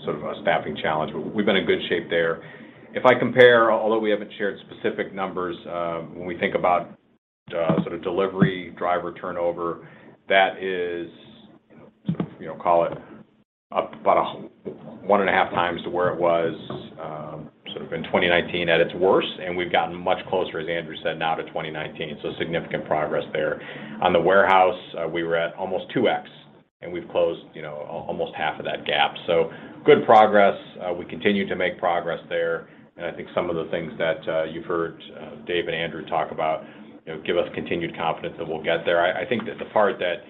sort of a staffing challenge, but we've been in good shape there. If I compare, although we haven't shared specific numbers, when we think about sort of delivery driver turnover, that is, you know, sort of, you know, call it about 1.5x to where it was, sort of in 2019 at its worst, and we've gotten much closer, as Andrew said, now to 2019, so significant progress there. On the warehouse, we were at almost 2x, and we've closed, you know, almost half of that gap. Good progress. We continue to make progress there, and I think some of the things that you've heard Dave and Andrew talk about, you know, give us continued confidence that we'll get there. I think that the part that,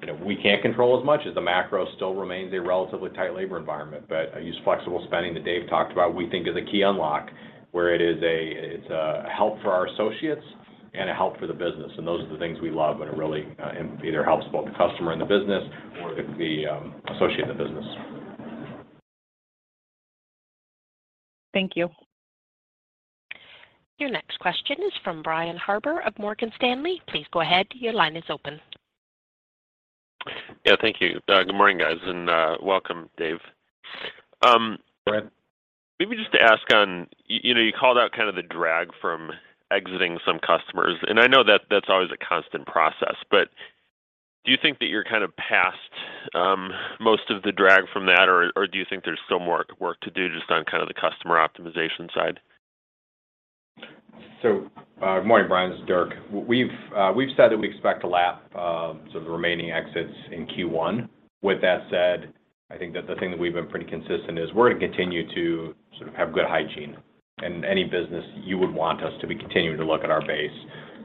you know, we can't control as much is the macro still remains a relatively tight labor environment. I use flexible spending that Dave talked about, we think is a key unlock, where it's a help for our associates and a help for the business, and those are the things we love, when it really either helps both the customer and the business or the associate and the business. Thank you. Your next question is from Brian Harbour of Morgan Stanley. Please go ahead, your line is open. Thank you. Good morning, guys, and welcome, Dave. Brian. Maybe just to ask on, you know, you called out kind of the drag from exiting some customers, and I know that that's always a constant process. Do you think that you're kind of past most of the drag from that, or do you think there's still more work to do just on kind of the customer optimization side? Good morning, Brian. This is Dirk. We've said that we expect to lap, sort of the remaining exits in Q1. With that said, I think that the thing that we've been pretty consistent is we're gonna continue to sort of have good hygiene. In any business, you would want us to be continuing to look at our base.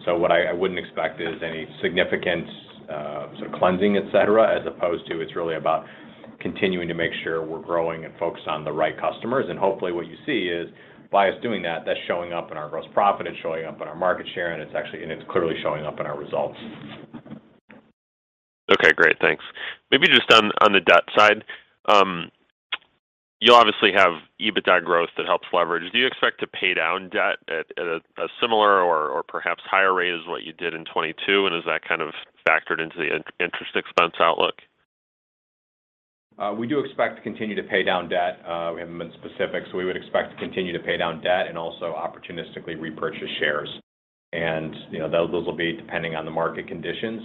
What I wouldn't expect is any significant, sort of cleansing, et cetera, as opposed to it's really about continuing to make sure we're growing and focused on the right customers. Hopefully, what you see is by us doing that's showing up in our gross profit, it's showing up in our market share, and it's clearly showing up in our results. Okay, great. Thanks. Maybe just on the debt side. You obviously have EBITDA growth that helps leverage. Do you expect to pay down debt at a similar or perhaps higher rate as what you did in 2022, and is that kind of factored into the interest expense outlook? We do expect to continue to pay down debt. We haven't been specific, we would expect to continue to pay down debt and also opportunistically repurchase shares. You know, those will be depending on the market conditions.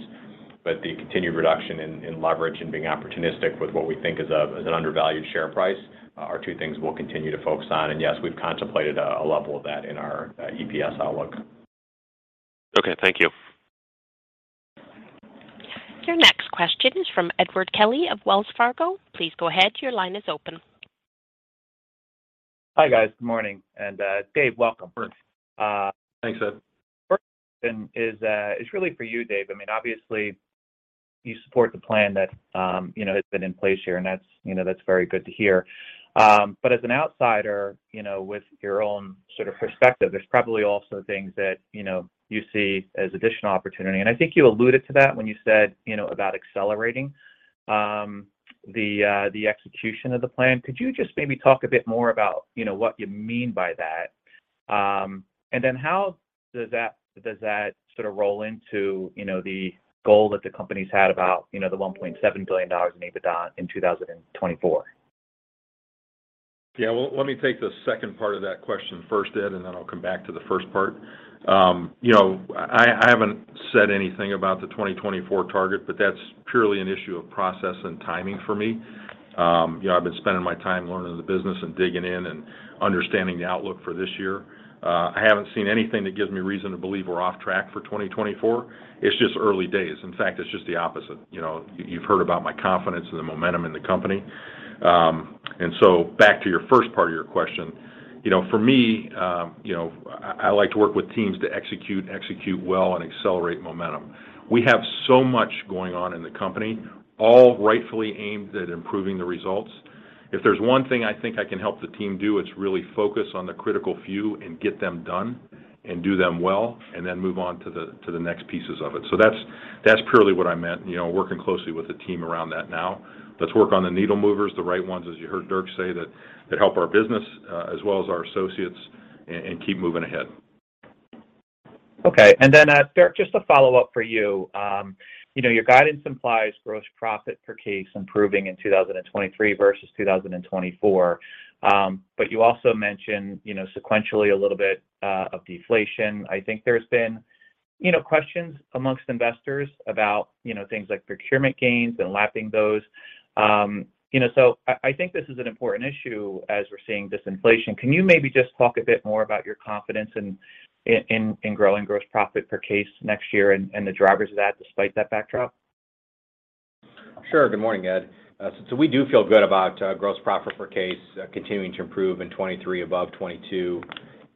The continued reduction in leverage and being opportunistic with what we think is an undervalued share price are two things we'll continue to focus on. Yes, we've contemplated a level of that in our EPS outlook. Okay, thank you. Your next question is from Edward Kelly of Wells Fargo. Please go ahead, your line is open. Hi, guys. Good morning. Dave, welcome. Thanks. Uh- Thanks, Ed. First question is really for you, Dave. I mean, obviously you support the plan that, you know, has been in place here, and that's, you know, that's very good to hear. As an outsider, you know, with your own sort of perspective, there's probably also things that, you know, you see as additional opportunity. I think you alluded to that when you said, you know, about accelerating the execution of the plan. Could you just maybe talk a bit more about, you know, what you mean by that? How does that, does that sort of roll into, you know, the goal that the company's had about, you know, the $1.7 billion in EBITDA in 2024? Yeah. Well, let me take the second part of that question first, Ed, and then I'll come back to the first part. You know, I haven't said anything about the 2024 target, but that's purely an issue of process and timing for me. You know, I've been spending my time learning the business and digging in and understanding the outlook for this year. I haven't seen anything that gives me reason to believe we're off track for 2024. It's just early days. In fact, it's just the opposite. You know, you've heard about my confidence in the momentum in the company. Back to your first part of your question. You know, for me, you know, I like to work with teams to execute well, and accelerate momentum. We have so much going on in the company, all rightfully aimed at improving the results. If there's one thing I think I can help the team do, it's really focus on the critical few and get them done and do them well and then move on to the next pieces of it. That's purely what I meant. You know, working closely with the team around that now. Let's work on the needle movers, the right ones, as you heard Dirk say, that help our business, as well as our associates and keep moving ahead. Okay. Dirk, just a follow-up for you. You know, your guidance implies gross profit per case improving in 2023 versus 2024. You also mentioned, you know, sequentially a little bit of deflation. I think there's been, you know, questions amongst investors about, you know, things like procurement gains and lapping those. You know, I think this is an important issue as we're seeing disinflation. Can you maybe just talk a bit more about your confidence in growing gross profit per case next year and the drivers of that despite that backdrop? Sure. Good morning, Ed. We do feel good about gross profit per case, continuing to improve in 2023 above 2022.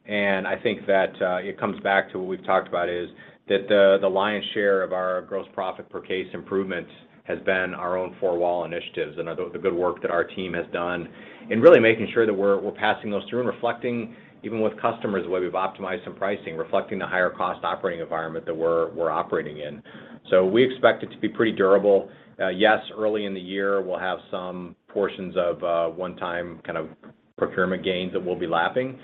I think that, it comes back to what we've talked about is that the lion's share of our gross profit per case improvement has been our own four-wall initiatives and the good work that our team has done in really making sure that we're passing those through and reflecting even with customers the way we've optimized some pricing, reflecting the higher cost operating environment that we're operating in. We expect it to be pretty durable. Yes, early in the year, we'll have some portions of 1-time kind of procurement gains that we'll be lapping.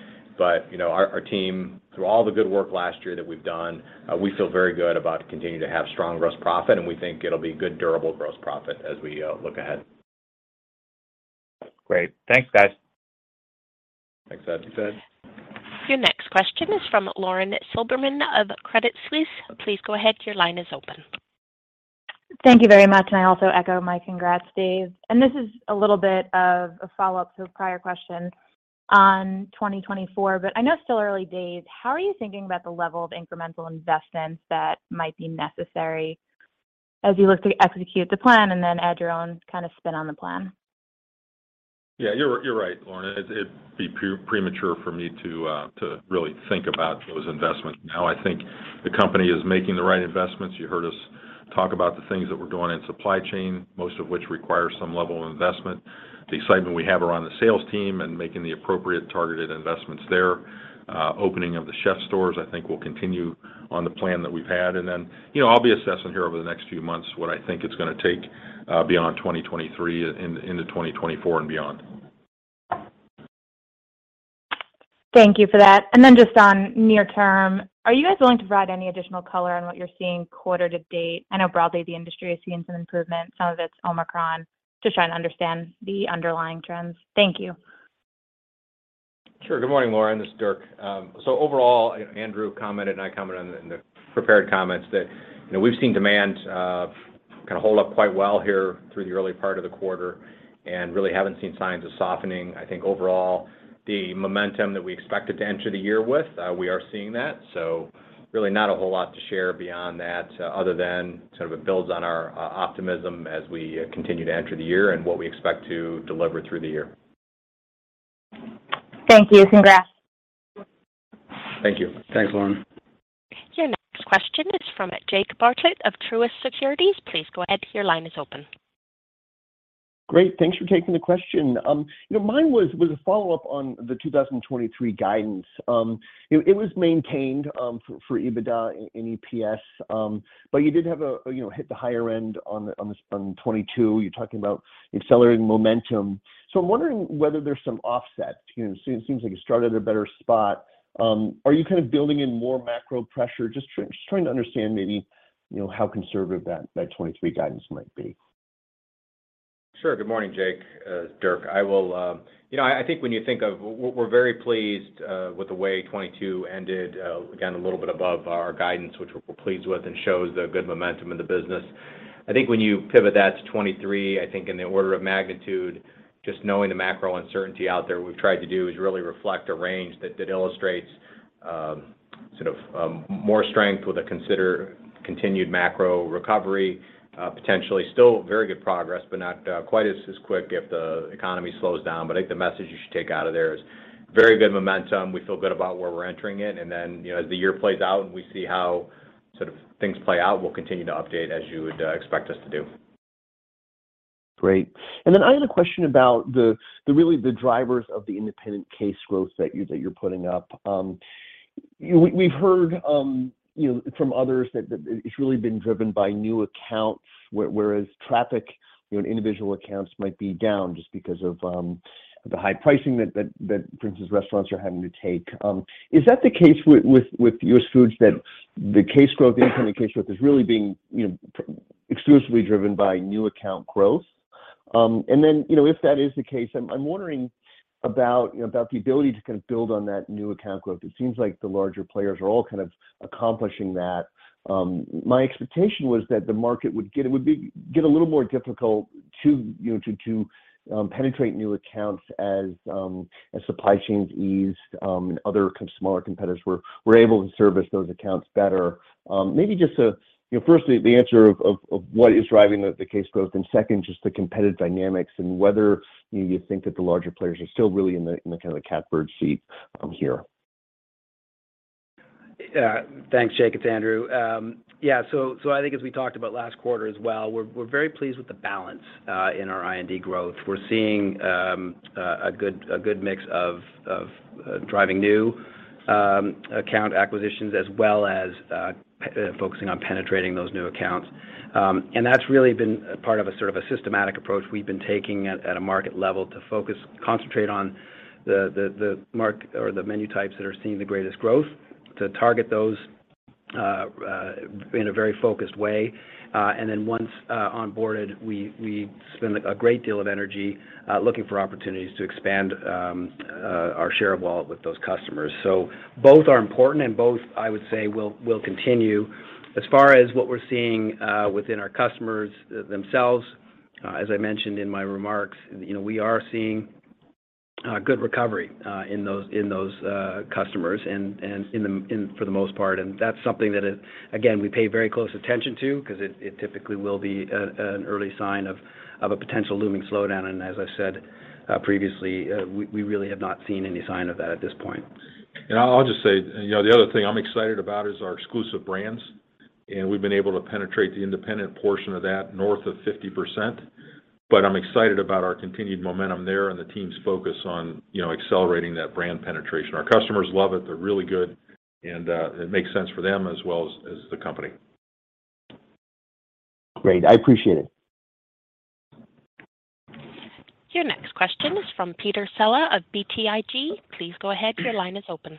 You know, our team, through all the good work last year that we've done, we feel very good about continuing to have strong gross profit, and we think it'll be good, durable gross profit as we look ahead. Great. Thanks, guys. Thanks, Ed. Thanks, Ed. Your next question is from Lauren Silberman of Credit Suisse. Please go ahead. Your line is open. Thank you very much, and I also echo my congrats, Dave. This is a little bit of a follow-up to a prior question on 2024, but I know it's still early days. How are you thinking about the level of incremental investments that might be necessary as you look to execute the plan and then add your own kind of spin on the plan? Yeah, you're right, Lauren. It'd be premature for me to really think about those investments now. I think the company is making the right investments. You heard us talk about the things that we're doing in supply chain, most of which require some level of investment. The excitement we have around the sales team and making the appropriate targeted investments there. Opening of the CHEF'STOREs, I think will continue on the plan that we've had. Then, you know, I'll be assessing here over the next few months what I think it's gonna take beyond 2023, into 2024 and beyond. Thank you for that. Just on near term, are you guys willing to provide any additional color on what you're seeing quarter to date? I know broadly the industry is seeing some improvement. Some of it's Omicron. Just trying to understand the underlying trends. Thank you. Sure. Good morning, Lauren. This is Dirk. Overall, Andrew commented and I commented on in the prepared comments that, you know, we've seen demand, kinda hold up quite well here through the early part of the quarter and really haven't seen signs of softening. I think overall, the momentum that we expected to enter the year with, we are seeing that. Really not a whole lot to share beyond that other than sort of it builds on our optimism as we continue to enter the year and what we expect to deliver through the year. Thank you. Congrats. Thank you. Thanks, Lauren. Your next question is from Jake Bartlett of Truist Securities. Please go ahead. Your line is open. Great. Thanks for taking the question. you know, mine was a follow-up on the 2023 guidance. it was maintained for EBITDA and EPS, but you did have a you know, hit the higher end on 2022. You're talking about accelerating momentum. I'm wondering whether there's some offset. You know, it seems like you started at a better spot. Are you kind of building in more macro pressure? Just trying to understand maybe, you know, how conservative that 2023 guidance might be. Sure. Good morning, Jake. It's Dirk. You know, I think when you think of we're very pleased with the way 2022 ended, again, a little bit above our guidance, which we're pleased with and shows the good momentum in the business. I think when you pivot that to 2023, I think in the order of magnitude, just knowing the macro uncertainty out there, what we've tried to do is really reflect a range that illustrates sort of more strength with a continued macro recovery potentially. Still very good progress, but not quite as quick if the economy slows down. I think the message you should take out of there is very good momentum. We feel good about where we're entering in. You know, as the year plays out and we see how sort of things play out, we'll continue to update as you would expect us to do. Great. I had a question about the really the drivers of the independent case growth that you're putting up. We've heard, you know, from others that it's really been driven by new accounts, whereas traffic, you know, and individual accounts might be down just because of the high pricing that for instance, restaurants are having to take. Is that the case with US Foods that the incoming case growth is really being, you know, exclusively driven by new account growth? You know, if that is the case, I'm wondering about, you know, about the ability to kind of build on that new account growth. It seems like the larger players are all kind of accomplishing that. My expectation was that the market would get a little more difficult to, you know, penetrate new accounts as supply chains eased. Other kind of smaller competitors were able to service those accounts better. Maybe just a, you know, firstly, the answer of what is driving the case growth, and second, just the competitive dynamics and whether, you know, you think that the larger players are still really in the kind of the catbird seat here. Yeah. Thanks, Jake. It's Andrew. I think as we talked about last quarter as well, we're very pleased with the balance in our IND growth. We're seeing a good mix of driving new account acquisitions as well as focusing on penetrating those new accounts. That's really been part of a sort of a systematic approach we've been taking at a market level to focus, concentrate on the menu types that are seeing the greatest growth, to target those in a very focused way. Then once onboarded, we spend a great deal of energy looking for opportunities to expand our share of wallet with those customers. Both are important and both, I would say, will continue. As far as what we're seeing, within our customers, themselves, as I mentioned in my remarks, you know, we are seeing, good recovery, in those, in those, customers and for the most part. That's something that, again, we pay very close attention to because it typically will be a, an early sign of a potential looming slowdown. As I said, previously, we really have not seen any sign of that at this point. I'll just say, you know, the other thing I'm excited about is our Exclusive Brands. We've been able to penetrate the independent portion of that, north of 50%. I'm excited about our continued momentum there and the team's focus on, you know, accelerating that brand penetration. Our customers love it. They're really good, and it makes sense for them as well as the company. Great. I appreciate it. Your next question is from Peter Saleh of BTIG. Please go ahead, your line is open.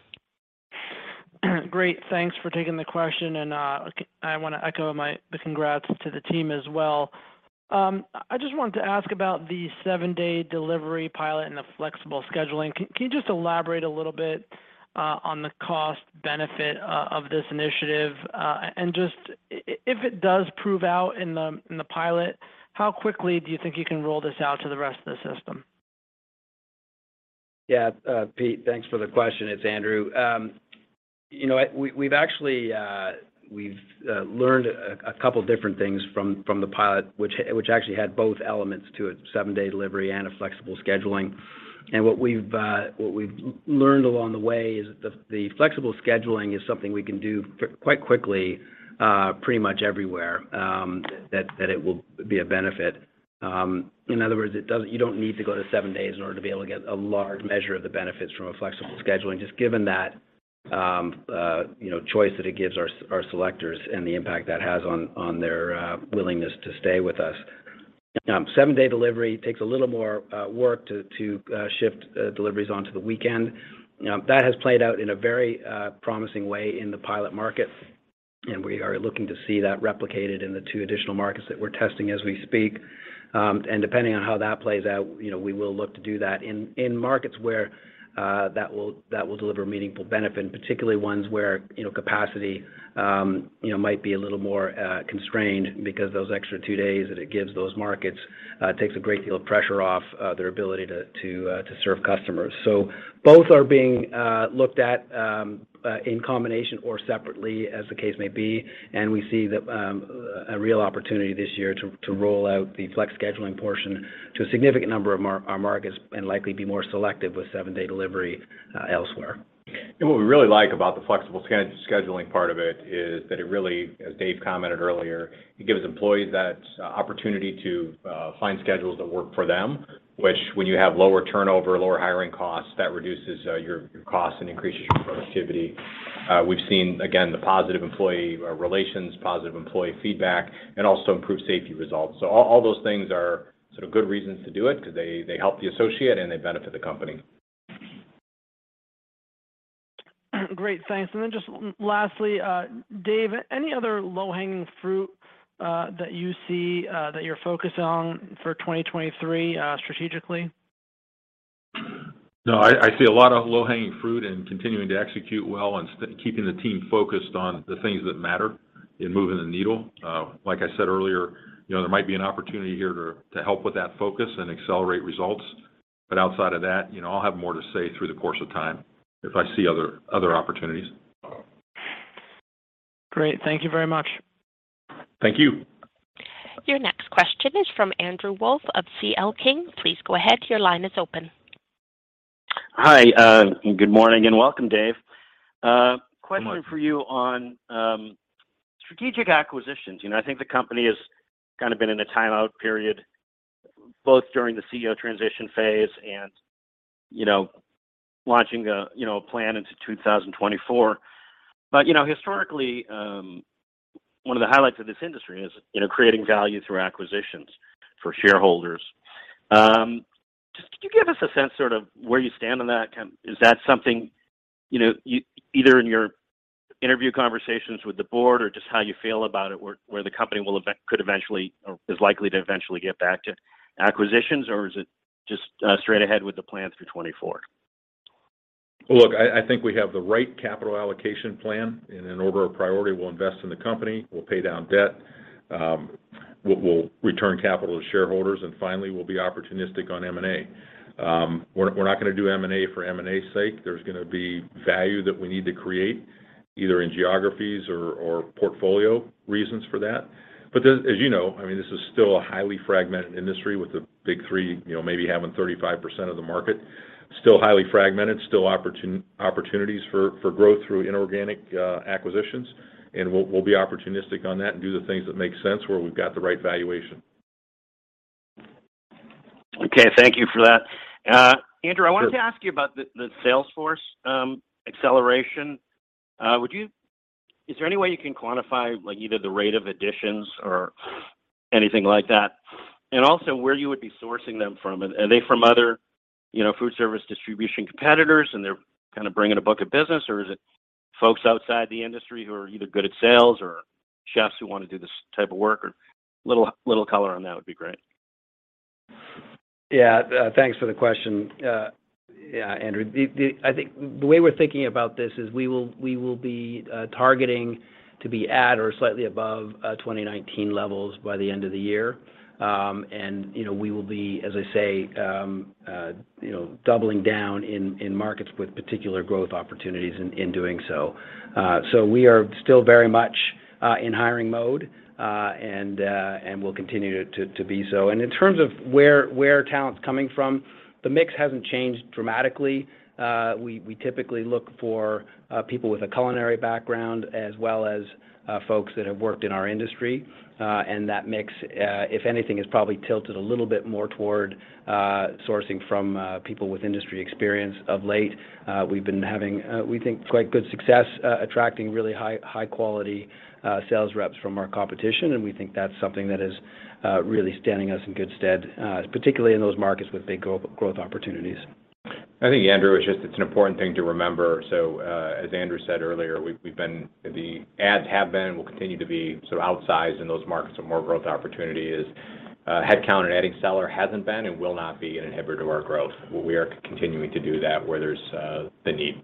Great. Thanks for taking the question. I want to echo the congrats to the team as well. I just wanted to ask about the seven-day delivery pilot and the flexible scheduling. Can you just elaborate a little bit on the cost benefit of this initiative? Just if it does prove out in the pilot, how quickly do you think you can roll this out to the rest of the system? Yeah. Pete, thanks for the question. It's Andrew. you know, we've actually learned a couple different things from the pilot, which actually had both elements to it, seven-day delivery and a flexible scheduling. What we've learned along the way is the flexible scheduling is something we can do quite quickly, pretty much everywhere, that it will be a benefit. In other words, you don't need to go to 7 days in order to be able to get a large measure of the benefits from a flexible scheduling. Just given that, you know, choice that it gives our selectors and the impact that has on their willingness to stay with us. Seven-day delivery takes a little more work to shift deliveries onto the weekend. That has played out in a very promising way in the pilot market, we are looking to see that replicated in the two additional markets that we're testing as we speak. Depending on how that plays out, you know, we will look to do that in markets where that will deliver meaningful benefit, particularly ones where, you know, capacity might be a little more constrained because those extra two days that it gives those markets takes a great deal of pressure off their ability to serve customers. Both are being looked at in combination or separately as the case may be. We see that, a real opportunity this year to roll out the flex scheduling portion to a significant number of our markets and likely be more selective with seven-day delivery, elsewhere. What we really like about the flexible scheduling part of it is that it really, as Dave commented earlier, it gives employees that opportunity to find schedules that work for them, which when you have lower turnover, lower hiring costs, that reduces your costs and increases your productivity. We've seen, again, the positive employee relations, positive employee feedback, and also improved safety results. All those things are sort of good reasons to do it 'cause they help the associate and they benefit the company. Great. Thanks. Just lastly, Dave, any other low-hanging fruit, that you see, that you're focused on for 2023, strategically? No, I see a lot of low-hanging fruit and continuing to execute well and keeping the team focused on the things that matter in moving the needle. Like I said earlier, you know, there might be an opportunity here to help with that focus and accelerate results. Outside of that, you know, I'll have more to say through the course of time if I see other opportunities. Great. Thank you very much. Thank you. Your next question is from Andrew Wolf of C.L. King. Please go ahead. Your line is open. Hi. Good morning and welcome, Dave. Good morning. Question for you on strategic acquisitions. You know, I think the company has kind of been in a timeout period, both during the CEO transition phase and, you know, launching a, you know, plan into 2024. You know, historically, one of the highlights of this industry is, you know, creating value through acquisitions for shareholders. Just could you give us a sense sort of where you stand on that? Is that something, you know, either in your interview conversations with the board or just how you feel about it, where the company could eventually or is likely to eventually get back to acquisitions, or is it just straight ahead with the plan through 2024? Look, I think we have the right capital allocation plan. In an order of priority, we'll invest in the company, we'll pay down debt, we'll return capital to shareholders, and finally, we'll be opportunistic on M&A. We're not gonna do M&A for M&A's sake. There's gonna be value that we need to create, either in geographies or portfolio reasons for that. As you know, I mean, this is still a highly fragmented industry with the Big Three, you know, maybe having 35% of the market. Still highly fragmented, still opportunities for growth through inorganic acquisitions. We'll be opportunistic on that and do the things that make sense where we've got the right valuation. Okay. Thank you for that. Sure. I wanted to ask you about the sales force acceleration. Is there any way you can quantify, like, either the rate of additions or anything like that? Also where you would be sourcing them from. Are they from other, you know, foodservice distribution competitors, and they're kind of bringing a book of business, or is it folks outside the industry who are either good at sales or chefs who wanna do this type of work or. Little color on that would be great. Thanks for the question, Andrew. I think the way we're thinking about this is we will be targeting to be at or slightly above 2019 levels by the end of the year. You know, we will be, as I say, you know, doubling down in markets with particular growth opportunities in doing so. So we are still very much in hiring mode, and we'll continue to be so. In terms of where talent's coming from, the mix hasn't changed dramatically. We typically look for people with a culinary background as well as folks that have worked in our industry. That mix, if anything, is probably tilted a little bit more toward sourcing from people with industry experience of late. We've been having, we think quite good success attracting really high, high quality sales reps from our competition, and we think that's something that is really standing us in good stead, particularly in those markets with big growth opportunities. I think, Andrew, it's just, it's an important thing to remember. As Andrew said earlier, we've been the ads have been and will continue to be sort of outsized in those markets with more growth opportunities. Headcount and adding seller hasn't been and will not be an inhibitor to our growth. We are continuing to do that where there's the need.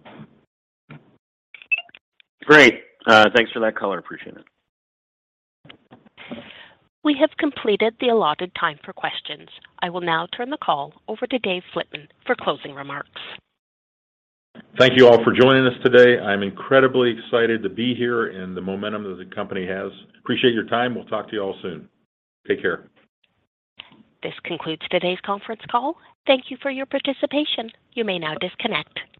Great. Thanks for that color. Appreciate it. We have completed the allotted time for questions. I will now turn the call over to Dave Flitman for closing remarks. Thank you all for joining us today. I'm incredibly excited to be here and the momentum that the company has. Appreciate your time. We'll talk to you all soon. Take care. This concludes today's conference call. Thank you for your participation. You may now disconnect.